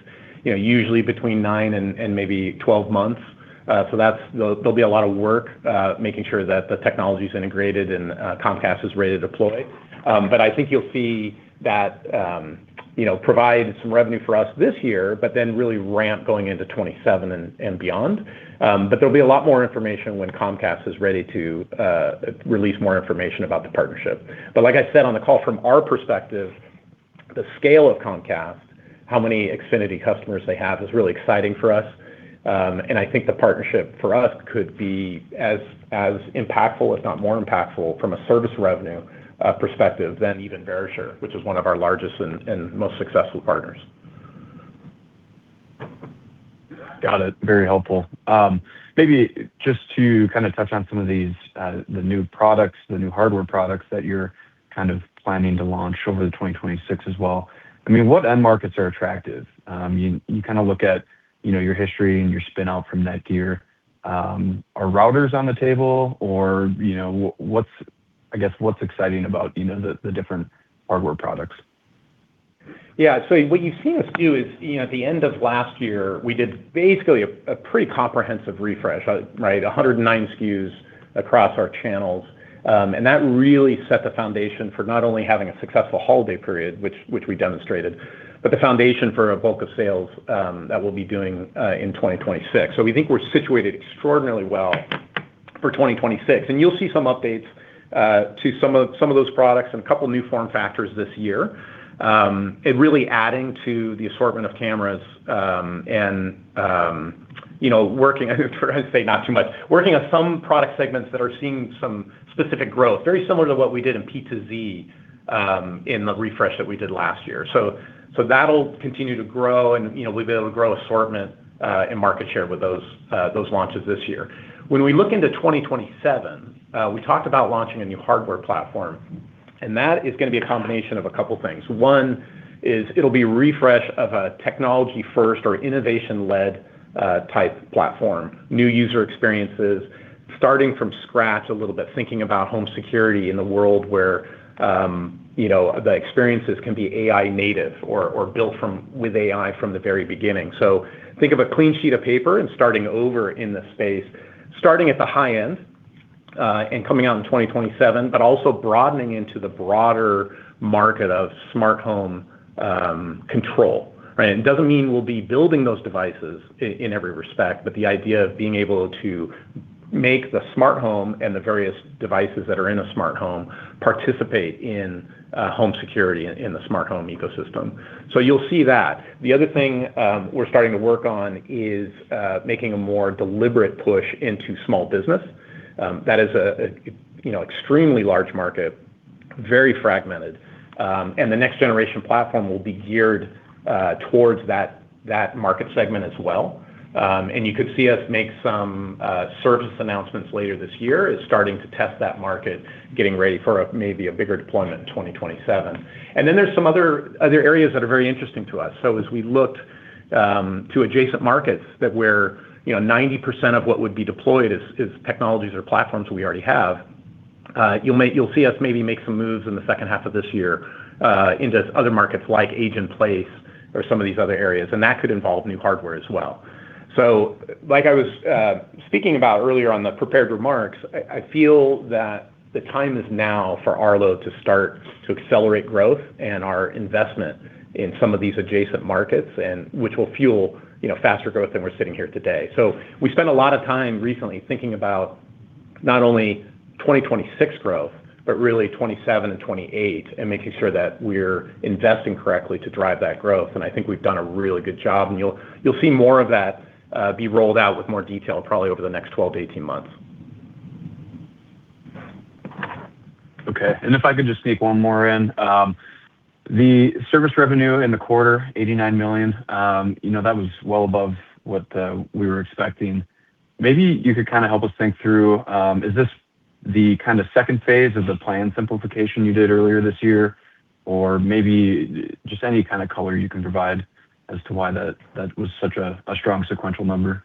you know, usually between nine and maybe 12 months. That's, there'll be a lot of work making sure that the technology is integrated and Comcast is ready to deploy. I think you'll see that, you know, provide some revenue for us this year, really ramp going into 2027 and beyond. There'll be a lot more information when Comcast is ready to release more information about the partnership. Like I said on the call, from our perspective, the scale of Comcast, how many Xfinity customers they have, is really exciting for us. I think the partnership for us could be as impactful, if not more impactful, from a service revenue perspective than even Verisure, which is one of our largest and most successful partners. Got it. Very helpful. Maybe just to kind of touch on some of these, the new products, the new hardware products that you're kind of planning to launch over the 2026 as well. I mean, what end markets are attractive? You, you kind of look at, you know, your history and your spin out from NETGEAR. Are routers on the table or, you know, what's, I guess, what's exciting about, you know, the different hardware products? Yeah. What you've seen us do is, you know, at the end of last year, we did basically a pretty comprehensive refresh, right? 109 SKUs across our channels. That really set the foundation for not only having a successful holiday period, which we demonstrated, but the foundation for a bulk of sales that we'll be doing in 2026. We think we're situated extraordinarily well for 2026. You'll see some updates to some of those products and a couple of new form factors this year. Really adding to the assortment of cameras, and, you know, working, I try to say not too much. Working on some product segments that are seeing some specific growth, very similar to what we did in PTZ, in the refresh that we did last year. That'll continue to grow and, you know, we'll be able to grow assortment and market share with those those launches this year. When we look into 2027, we talked about launching a new hardware platform. That is going to be a combination of a couple things. One is it'll be a refresh of a technology first or innovation-led type platform. New user experiences, starting from scratch a little bit, thinking about home security in a world where, you know, the experiences can be AI native or built from, with AI from the very beginning. Think of a clean sheet of paper and starting over in the space, starting at the high end, and coming out in 2027, but also broadening into the broader market of smart home control, right? It doesn't mean we'll be building those devices in every respect, but the idea of being able to make the smart home and the various devices that are in a smart home participate in home security in the smart home ecosystem. You'll see that. The other thing, we're starting to work on is making a more deliberate push into small business. That is a, you know, extremely large market. Very fragmented. The next generation platform will be geared towards that market segment as well. You could see us make some service announcements later this year, as starting to test that market, getting ready for a maybe a bigger deployment in 2027. There's some other areas that are very interesting to us. As we looked to adjacent markets that where, you know, 90% of what would be deployed is technologies or platforms we already have, you'll see us maybe make some moves in the second half of this year into other markets like aging-in-place or some of these other areas, and that could involve new hardware as well. Like I was speaking about earlier on the prepared remarks, I feel that the time is now for Arlo to start to accelerate growth and our investment in some of these adjacent markets, and which will fuel, you know, faster growth than we're sitting here today. We spent a lot of time recently thinking about not only 2026 growth, but really 2027 and 2028, and making sure that we're investing correctly to drive that growth. I think we've done a really good job, and you'll see more of that be rolled out with more detail, probably over the next 12-18 months. Okay. If I could just sneak one more in. The service revenue in the quarter, $89 million, you know, that was well above what we were expecting. Maybe you could kind of help us think through, is this the kind of second phase of the plan simplification you did earlier this year? Or maybe just any kind of color you can provide as to why that was such a strong sequential number.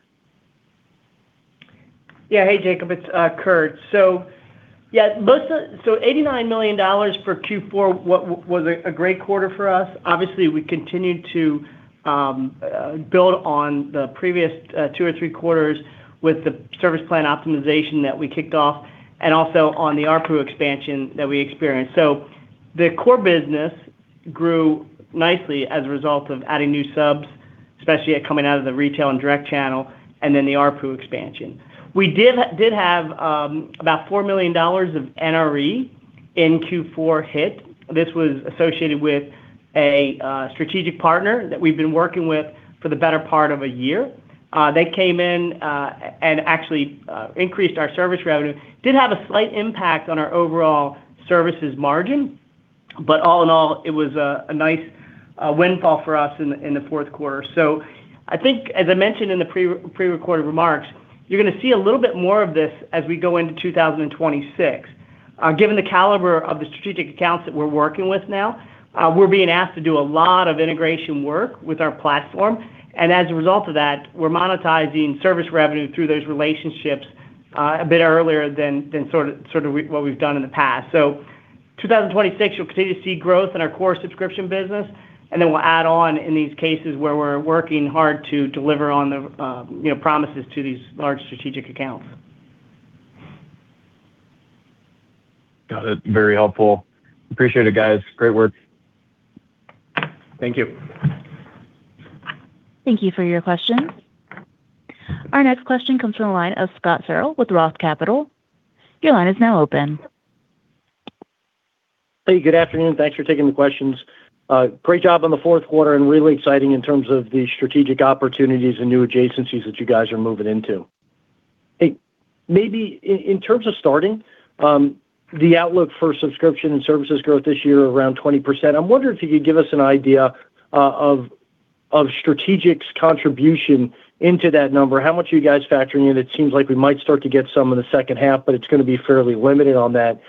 Hey, Jacob, it's Kurt. $89 million for Q4 was a great quarter for us. Obviously, we continued to build on the previous two or three quarters with the service plan optimization that we kicked off, and also on the ARPU expansion that we experienced. The core business grew nicely as a result of adding new subs, especially coming out of the retail and direct channel, and then the ARPU expansion. We did have about $4 million of NRE in Q4 hit. This was associated with a strategic partner that we've been working with for the better part of a year. They came in and actually increased our service revenue. Did have a slight impact on our overall services margin, all in all, it was a nice windfall for us in the fourth quarter. I think, as I mentioned in the pre-recorded remarks, you're gonna see a little bit more of this as we go into 2026. Given the caliber of the strategic accounts that we're working with now, we're being asked to do a lot of integration work with our platform, as a result of that, we're monetizing service revenue through those relationships a bit earlier than sort of what we've done in the past. 2026, you'll continue to see growth in our core subscription business, and then we'll add on in these cases where we're working hard to deliver on the, you know, promises to these large strategic accounts. Got it. Very helpful. Appreciate it, guys. Great work. Thank you. Thank you for your question. Our next question comes from the line of Scott Searle with Roth Capital. Your line is now open. Good afternoon. Thanks for taking the questions. Great job on the fourth quarter and really exciting in terms of the strategic opportunities and new adjacencies that you guys are moving into. Maybe in terms of starting, the outlook for subscription and services growth this year around 20%, I'm wondering if you could give us an idea of strategic's contribution into that number. How much are you guys factoring in? It seems like we might start to get some in the second half, but it's gonna be fairly limited on that,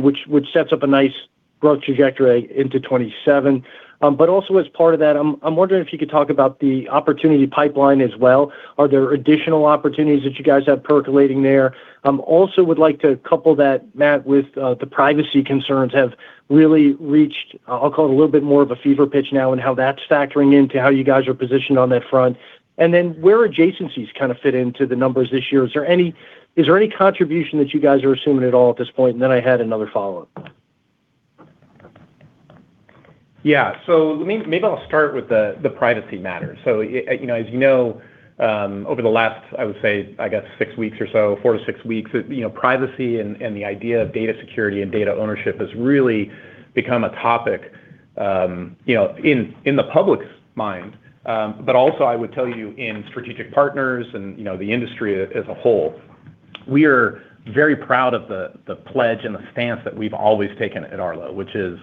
which sets up a nice growth trajectory into 2027. Also as part of that, I'm wondering if you could talk about the opportunity pipeline as well. Are there additional opportunities that you guys have percolating there? I'm also would like to couple that, Matt, with, the privacy concerns have really reached, I'll call it a little bit more of a fever pitch now, and how that's factoring into how you guys are positioned on that front. Where adjacencies kind of fit into the numbers this year? Is there any contribution that you guys are assuming at all at this point? I had another follow-up. Yeah. Maybe I'll start with the privacy matter. You know, as you know, over the last, I would say, I guess six weeks or so, four to six weeks, you know, privacy and the idea of data security and data ownership has really become a topic, you know, in the public's mind, also I would tell you in strategic partners and, you know, the industry as a whole. We are very proud of the pledge and the stance that we've always taken at Arlo, which is,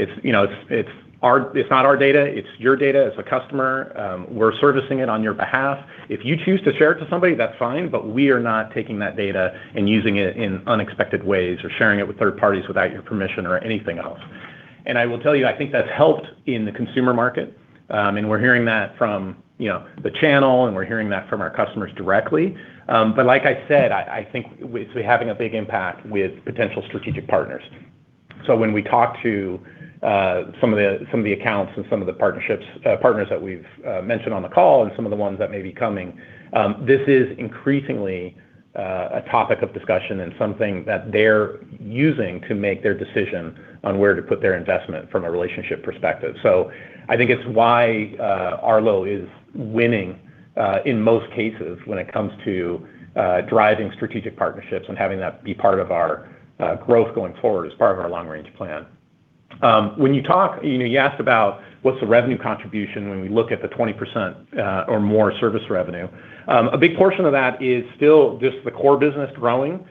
it's not our data, it's your data as a customer, we're servicing it on your behalf. If you choose to share it to somebody, that's fine, but we are not taking that data and using it in unexpected ways or sharing it with third parties without your permission or anything else. I will tell you, I think that's helped in the consumer market, and we're hearing that from, you know, the channel, and we're hearing that from our customers directly. Like I said, I think it's having a big impact with potential strategic partners. When we talk to some of the, some of the accounts and some of the partnerships, partners that we've mentioned on the call and some of the ones that may be coming, this is increasingly a topic of discussion and something that they're using to make their decision on where to put their investment from a relationship perspective. I think it's why Arlo is winning in most cases when it comes to driving strategic partnerships and having that be part of our growth going forward as part of our long-range plan. When you talk, you know, you asked about what's the revenue contribution when we look at the 20% or more service revenue. A big portion of that is still just the core business growing.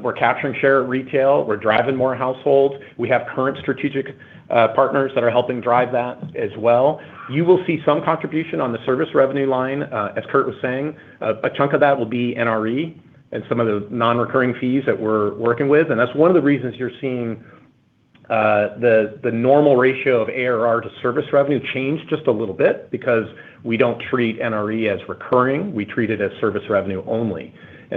We're capturing share at retail, we're driving more households. We have current strategic partners that are helping drive that as well. You will see some contribution on the service revenue line, as Kurt was saying. A chunk of that will be NRE and some of the non-recurring fees that we're working with. That's one of the reasons you're seeing the normal ratio of ARR to service revenue change just a little bit, because we don't treat NRE as recurring, we treat it as service revenue only.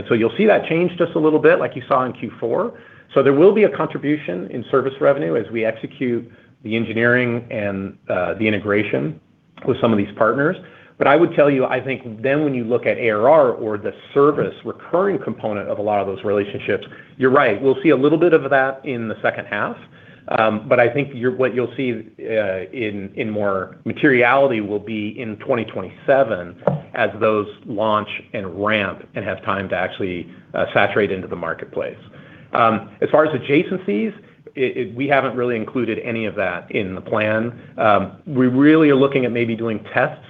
You'll see that change just a little bit like you saw in Q4. There will be a contribution in service revenue as we execute the engineering and the integration with some of these partners. I would tell you, I think then when you look at ARR or the service recurring component of a lot of those relationships, you're right, we'll see a little bit of that in the second half. I think what you'll see in more materiality will be in 2027 as those launch and ramp and have time to actually saturate into the marketplace. As far as adjacencies, we haven't really included any of that in the plan. We really are looking at maybe doing tests,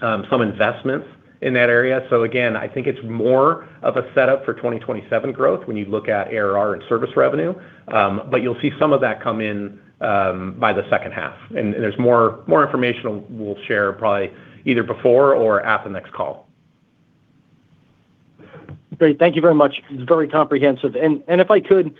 some investments in that area. Again, I think it's more of a setup for 2027 growth when you look at ARR and service revenue. You'll see some of that come in by the second half, and there's more information we'll share probably either before or at the next call. Great. Thank you very much. It's very comprehensive. If I could,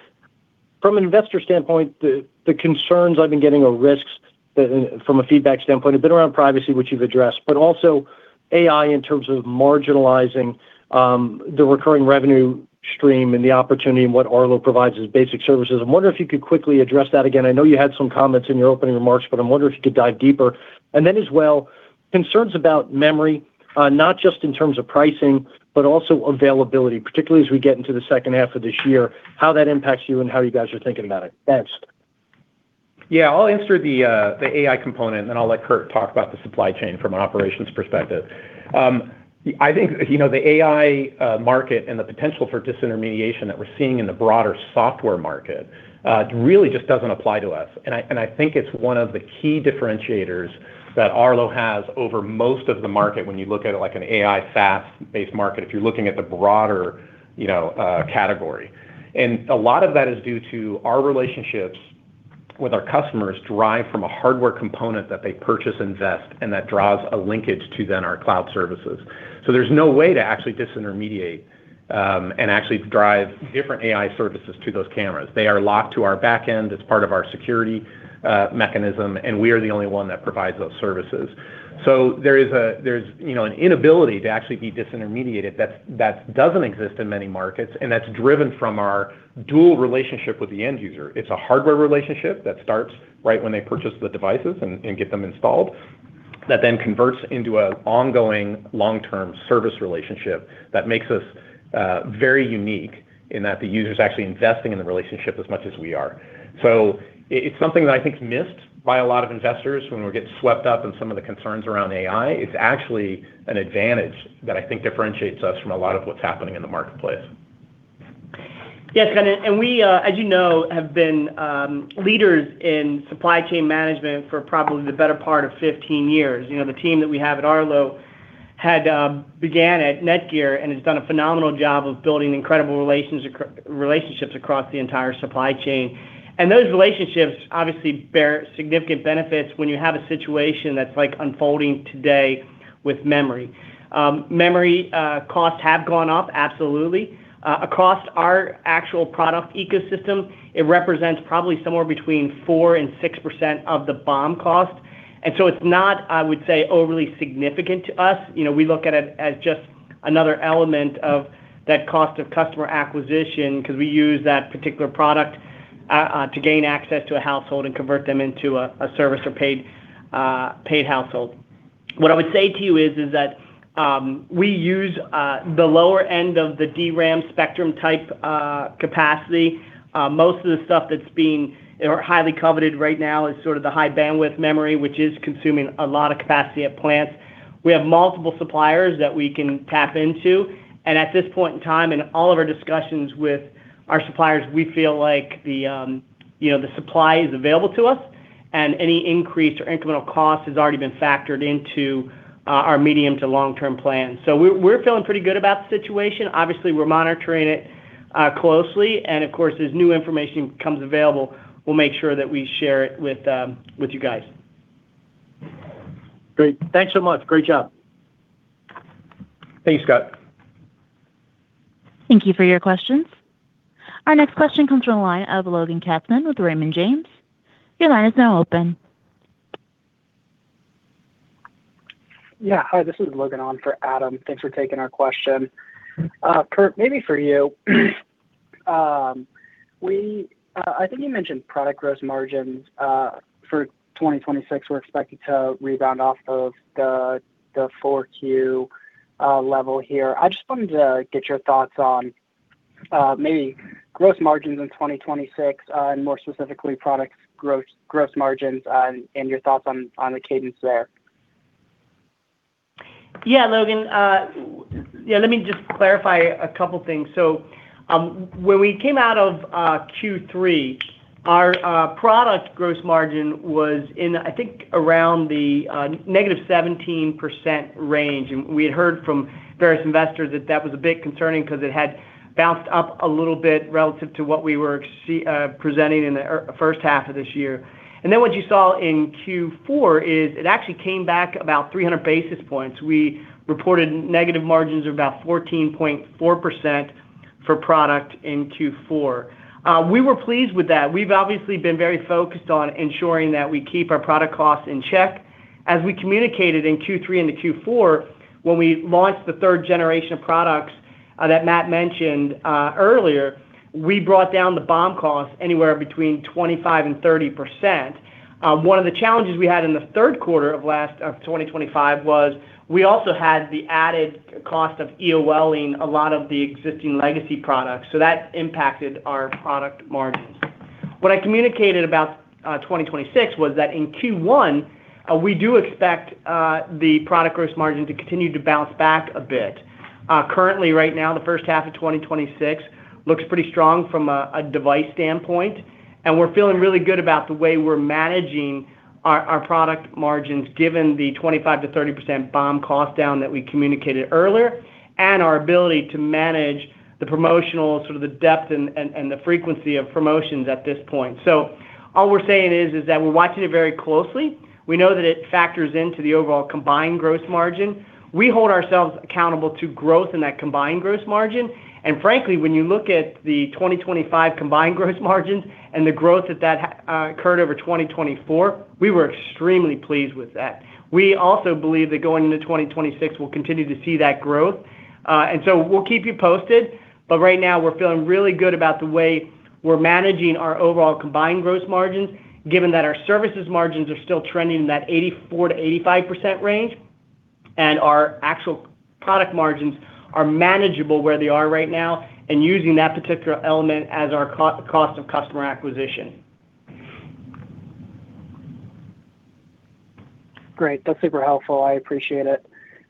from an investor standpoint, the concerns I've been getting are risks from a feedback standpoint, a bit around privacy, which you've addressed, but also AI in terms of marginalizing the recurring revenue stream and the opportunity and what Arlo provides as basic services. I wonder if you could quickly address that again. I know you had some comments in your opening remarks, but I'm wondering if you could dive deeper. Then as well, concerns about memory, not just in terms of pricing, but also availability, particularly as we get into the second half of this year, how that impacts you and how you guys are thinking about it. Thanks. Yeah, I'll answer the AI component, and then I'll let Kurt talk about the supply chain from an operations perspective. I think, you know, the AI market and the potential for disintermediation that we're seeing in the broader software market really just doesn't apply to us. I think it's one of the key differentiators that Arlo has over most of the market when you look at it like an AI, SaaS-based market, if you're looking at the broader, you know, category. A lot of that is due to our relationships with our customers derive from a hardware component that they purchase and vest, and that draws a linkage to then our cloud services. There's no way to actually disintermediate and actually drive different AI services to those cameras. They are locked to our back end. It's part of our security mechanism. We are the only one that provides those services. There's, you know, an inability to actually be disintermediated that doesn't exist in many markets, and that's driven from our dual relationship with the end user. It's a hardware relationship that starts right when they purchase the devices and get them installed. That then converts into an ongoing long-term service relationship that makes us very unique in that the user is actually investing in the relationship as much as we are. It's something that I think is missed by a lot of investors when we're getting swept up in some of the concerns around AI. It's actually an advantage that I think differentiates us from a lot of what's happening in the marketplace. Yes. We, as you know, have been leaders in supply chain management for probably the better part of 15 years. You know, the team that we have at Arlo had began at NETGEAR and has done a phenomenal job of building incredible relationships across the entire supply chain. Those relationships obviously bear significant benefits when you have a situation that's like unfolding today with memory. Memory costs have gone up absolutely. Across our actual product ecosystem, it represents probably somewhere between 4% and 6% of the BOM cost. It's not, I would say, overly significant to us. You know, we look at it as just another element of that cost of customer acquisition because we use that particular product to gain access to a household and convert them into a service or paid household. What I would say to you is that we use the lower end of the DRAM spectrum type capacity. Most of the stuff that's being or highly coveted right now is sort of the high bandwidth memory, which is consuming a lot of capacity at plants. We have multiple suppliers that we can tap into, and at this point in time, in all of our discussions with our suppliers, we feel like the, you know, the supply is available to us, and any increase or incremental cost has already been factored into our medium to long-term plans. We're feeling pretty good about the situation. Obviously, we're monitoring it closely, and of course, as new information comes available, we'll make sure that we share it with you guys. Great. Thanks so much. Great job. Thanks, Scott. Thank you for your questions. Our next question comes from the line of Logan Kapman with Raymond James. Your line is now open. Hi, this is Logan on for Adam. Thanks for taking our question. Kurt, maybe for you. We, I think you mentioned product gross margins for 2026 were expected to rebound off of the Q4 level here. I just wanted to get your thoughts on maybe gross margins in 2026 and more specifically, product gross margins and your thoughts on the cadence there? Logan, let me just clarify a couple things. When we came out of Q3, our product gross margin was in, I think, around the negative 17% range, and we had heard from various investors that that was a bit concerning because it had bounced up a little bit relative to what we were presenting in the first half of this year. What you saw in Q4 is it actually came back about 300 basis points. We reported negative margins of about 14.4% for product in Q4. We were pleased with that. We've obviously been very focused on ensuring that we keep our product costs in check. We communicated in Q3 into Q4, when we launched the 3rd generation of products, that Matt mentioned earlier, we brought down the BOM cost anywhere between 25%-30%. One of the challenges we had in the 3rd quarter of last, of 2025 was we also had the added cost of EOL-ing a lot of the existing legacy products, so that impacted our product margins. I communicated about 2026 was that in Q1, we do expect the product gross margin to continue to bounce back a bit. Currently, right now, the first half of 2026 looks pretty strong from a device standpoint, and we're feeling really good about the way we're managing our product margins, given the 25%-30% BOM cost down that we communicated earlier and our ability to manage the promotional, sort of the depth and the frequency of promotions at this point. All we're saying is that we're watching it very closely. We know that it factors into the overall combined gross margin. We hold ourselves accountable to growth in that combined gross margin. Frankly, when you look at the 2025 combined gross margins and the growth that occurred over 2024, we were extremely pleased with that. We also believe that going into 2026, we'll continue to see that growth. We'll keep you posted, but right now we're feeling really good about the way we're managing our overall combined gross margin, given that our services margins are still trending in that 84%-85% range, and our actual product margins are manageable where they are right now and using that particular element as our cost of customer acquisition. Great. That's super helpful. I appreciate it.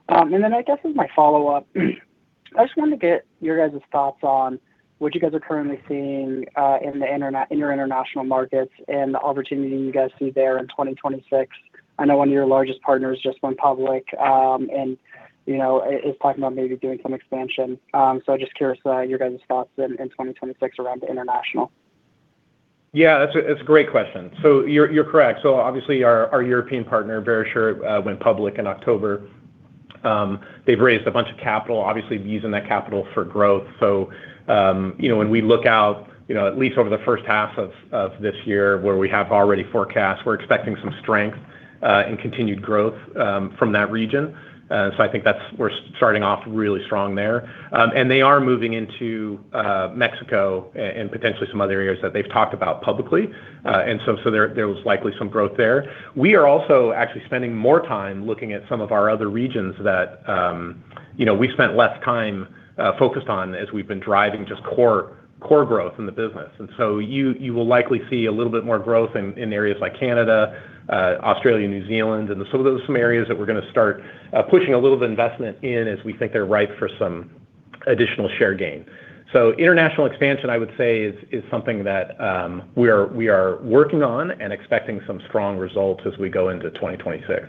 I guess as my follow-up, I just wanted to get your guys' thoughts on what you guys are currently seeing in your international markets and the opportunity you guys see there in 2026. I know one of your largest partners just went public, and, you know, is talking about maybe doing some expansion. Just curious, your guys' thoughts in 2026 around the international. Yeah, that's a, that's a great question. You're, you're correct. Obviously, our European partner, Verisure, went public in October. They've raised a bunch of capital, obviously, using that capital for growth. You know, when we look out, you know, at least over the first half of this year, where we have already forecast, we're expecting some strength and continued growth from that region. I think that's, we're starting off really strong there. And they are moving into Mexico and potentially some other areas that they've talked about publicly. There was likely some growth there. We are also actually spending more time looking at some of our other regions that, you know, we spent less time focused on as we've been driving just core growth in the business. You will likely see a little bit more growth in areas like Canada, Australia, New Zealand, those are some areas that we're gonna start pushing a little of investment in as we think they're ripe for some additional share gain. International expansion, I would say, is something that we are working on and expecting some strong results as we go into 2026.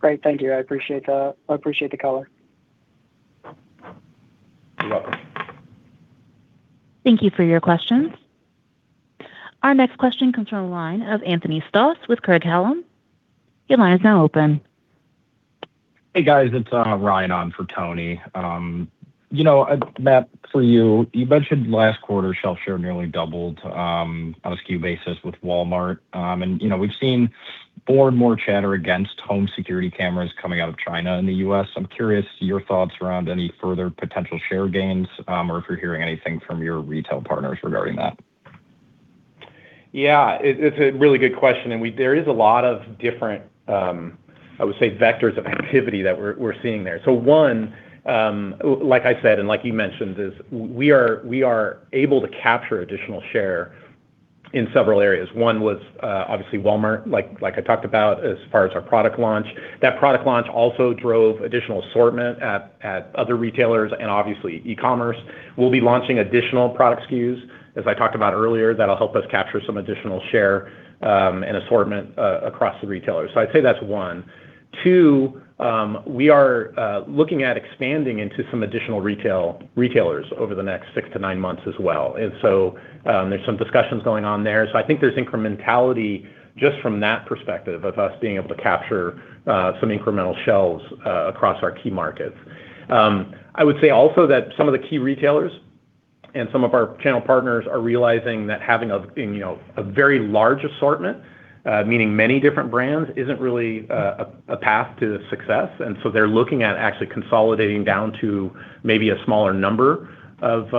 Great. Thank you. I appreciate that. I appreciate the color. You're welcome. Thank you for your questions. Our next question comes from the line of Anthony Stoss with Craig-Hallum. Your line is now open. Hey, guys, it's Ryan on for Tony. You know, Matt, for you mentioned last quarter, shelf share nearly doubled on a SKU basis with Walmart. You know, we've seen more and more chatter against home security cameras coming out of China in the U.S. I'm curious your thoughts around any further potential share gains, or if you're hearing anything from your retail partners regarding that. Yeah, it's a really good question, and we there is a lot of different, I would say, vectors of activity that we're seeing there. One, like I said, and like you mentioned, is we are able to capture additional share in several areas. One was obviously Walmart, like I talked about, as far as our product launch. That product launch also drove additional assortment at other retailers and obviously e-commerce. We'll be launching additional product SKUs, as I talked about earlier, that'll help us capture some additional share, and assortment, across the retailers. I'd say that's one. Two, we are looking at expanding into some additional retailers over the next six to nine months as well. There's some discussions going on there. I think there's incrementality just from that perspective of us being able to capture some incremental shelves across our key markets. I would say also that some of the key retailers and some of our channel partners are realizing that having a, you know, a very large assortment, meaning many different brands, isn't really a path to success. They're looking at actually consolidating down to maybe a smaller number of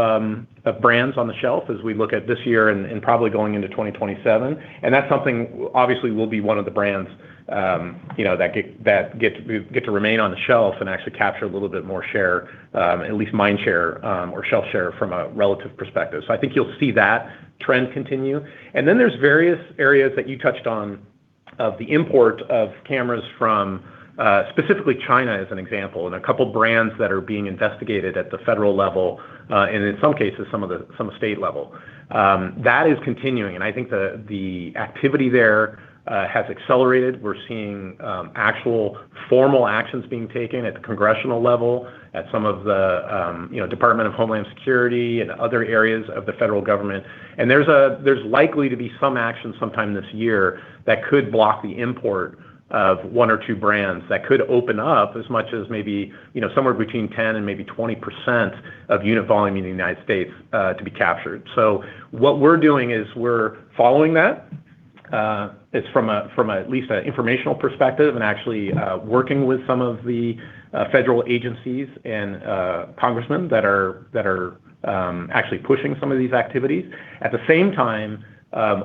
brands on the shelf as we look at this year and probably going into 2027. That's something obviously will be one of the brands, you know, that get to remain on the shelf and actually capture a little bit more share, at least mind share, or shelf share from a relative perspective. I think you'll see that trend continue. There's various areas that you touched on of the import of cameras from specifically China, as an example, and a couple of brands that are being investigated at the federal level, and in some cases, some state level. That is continuing, and I think the activity there has accelerated. We're seeing actual formal actions being taken at the congressional level, at some of the, you know, Department of Homeland Security and other areas of the federal government. There's likely to be some action sometime this year that could block the import of one or two brands that could open up as much as maybe, you know, somewhere between 10% and maybe 20% of unit volume in the United States, to be captured. What we're doing is we're following that. It's from at least an informational perspective, and actually, working with some of the federal agencies and congressmen that are actually pushing some of these activities. At the same time,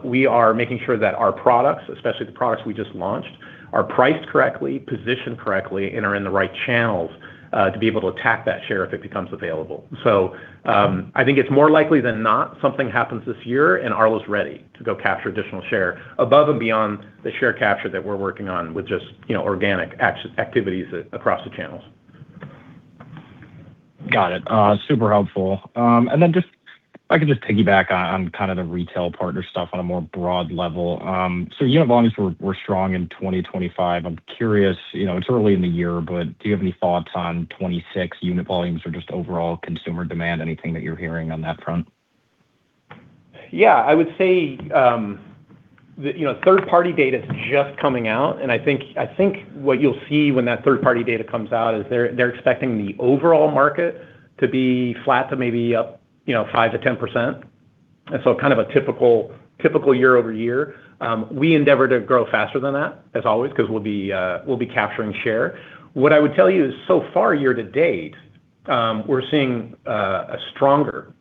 we are making sure that our products, especially the products we just launched, are priced correctly, positioned correctly, and are in the right channels to be able to attack that share if it becomes available. I think it's more likely than not, something happens this year, and Arlo's ready to go capture additional share above and beyond the share capture that we're working on with just, you know, organic activities across the channels. Got it. Super helpful. Just if I could just piggyback on kind of the retail partner stuff on a more broad level. Unit volumes were strong in 2025. I'm curious, you know, it's early in the year, but do you have any thoughts on 2026 unit volumes or just overall consumer demand? Anything that you're hearing on that front? Yeah, I would say, you know, third-party data is just coming out, I think what you'll see when that third-party data comes out is they're expecting the overall market to be flat to maybe up, you know, 5%-10%. Kind of a typical year-over-year. We endeavor to grow faster than that, as always, because we'll be capturing share. What I would tell you is, so far, year to date, we're seeing a stronger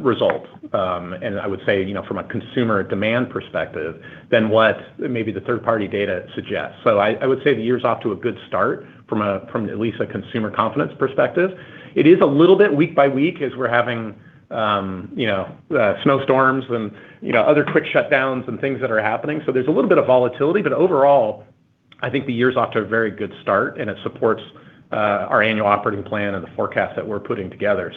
result, and I would say, you know, from a consumer demand perspective than what maybe the third-party data suggests. I would say the year's off to a good start from at least a consumer confidence perspective. It is a little bit week by week as we're having, you know, snowstorms and, you know, other quick shutdowns and things that are happening. There's a little bit of volatility, but overall, I think the year is off to a very good start, and it supports our annual operating plan and the forecast that we're putting together.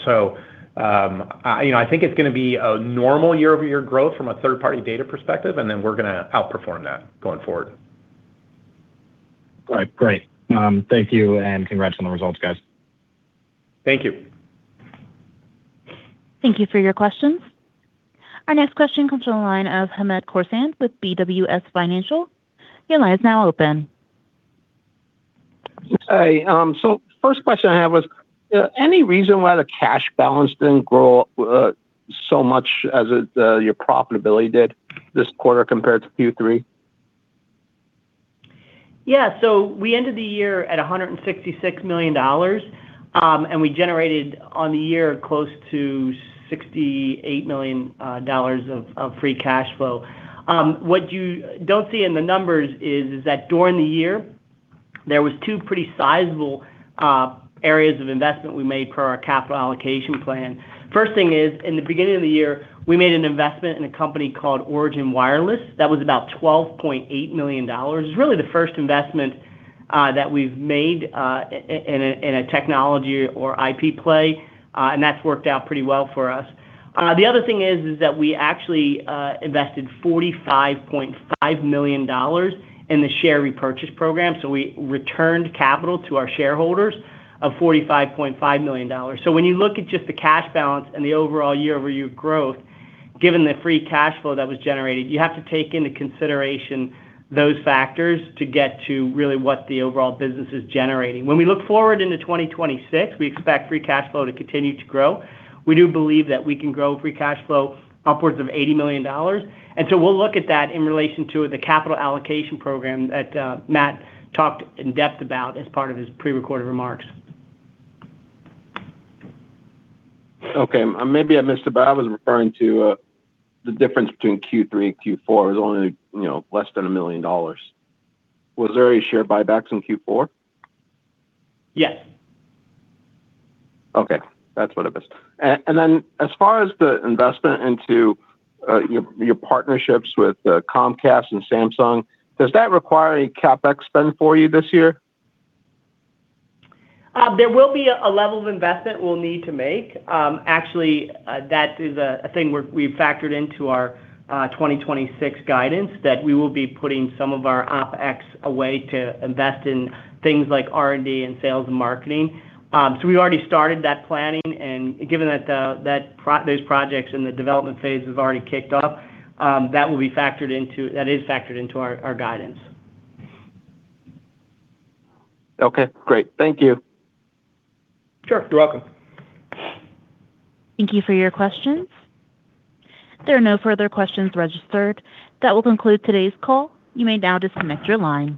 I, you know, I think it's gonna be a normal year-over-year growth from a third-party data perspective, and then we're gonna outperform that going forward. All right, great. Thank you, and congrats on the results, guys. Thank you. Thank you for your questions. Our next question comes from the line of Hamed Khorsand with BWS Financial. Your line is now open. Hi, first question I have was, any reason why the cash balance didn't grow so much as your profitability did this quarter compared to Q3? Yeah. We ended the year at $166 million. We generated on the year close to $68 million of free cash flow. What you don't see in the numbers is that during the year, there were two pretty sizable areas of investment we made per our capital allocation plan. First thing is, in the beginning of the year, we made an investment in a company called Origin Wireless. That was about $12.8 million. It's really the first investment that we've made in a technology or IP play, and that's worked out pretty well for us. The other thing is, we actually invested $45.5 million in the share repurchase program. We returned capital to our shareholders of $45.5 million. When you look at just the cash balance and the overall year-over-year growth, given the free cash flow that was generated, you have to take into consideration those factors to get to really what the overall business is generating. When we look forward into 2026, we expect free cash flow to continue to grow. We do believe that we can grow free cash flow upwards of $80 million, and so we'll look at that in relation to the capital allocation program that, Matt talked in depth about as part of his prerecorded remarks. Maybe I missed it, but I was referring to, the difference between Q3 and Q4 is only, you know, less than $1 million. Was there any share buybacks in Q4? Yes. Okay, that's what it is. As far as the investment into your partnerships with Comcast and Samsung, does that require any CapEx spend for you this year? There will be a level of investment we'll need to make. Actually, that is a thing we've factored into our 2026 guidance, that we will be putting some of our OpEx away to invest in things like R&D and sales and marketing. We already started that planning, and given that those projects in the development phase have already kicked off, that is factored into our guidance. Okay, great. Thank you. Sure. You're welcome. Thank you for your questions. There are no further questions registered. That will conclude today's call. You may now disconnect your line.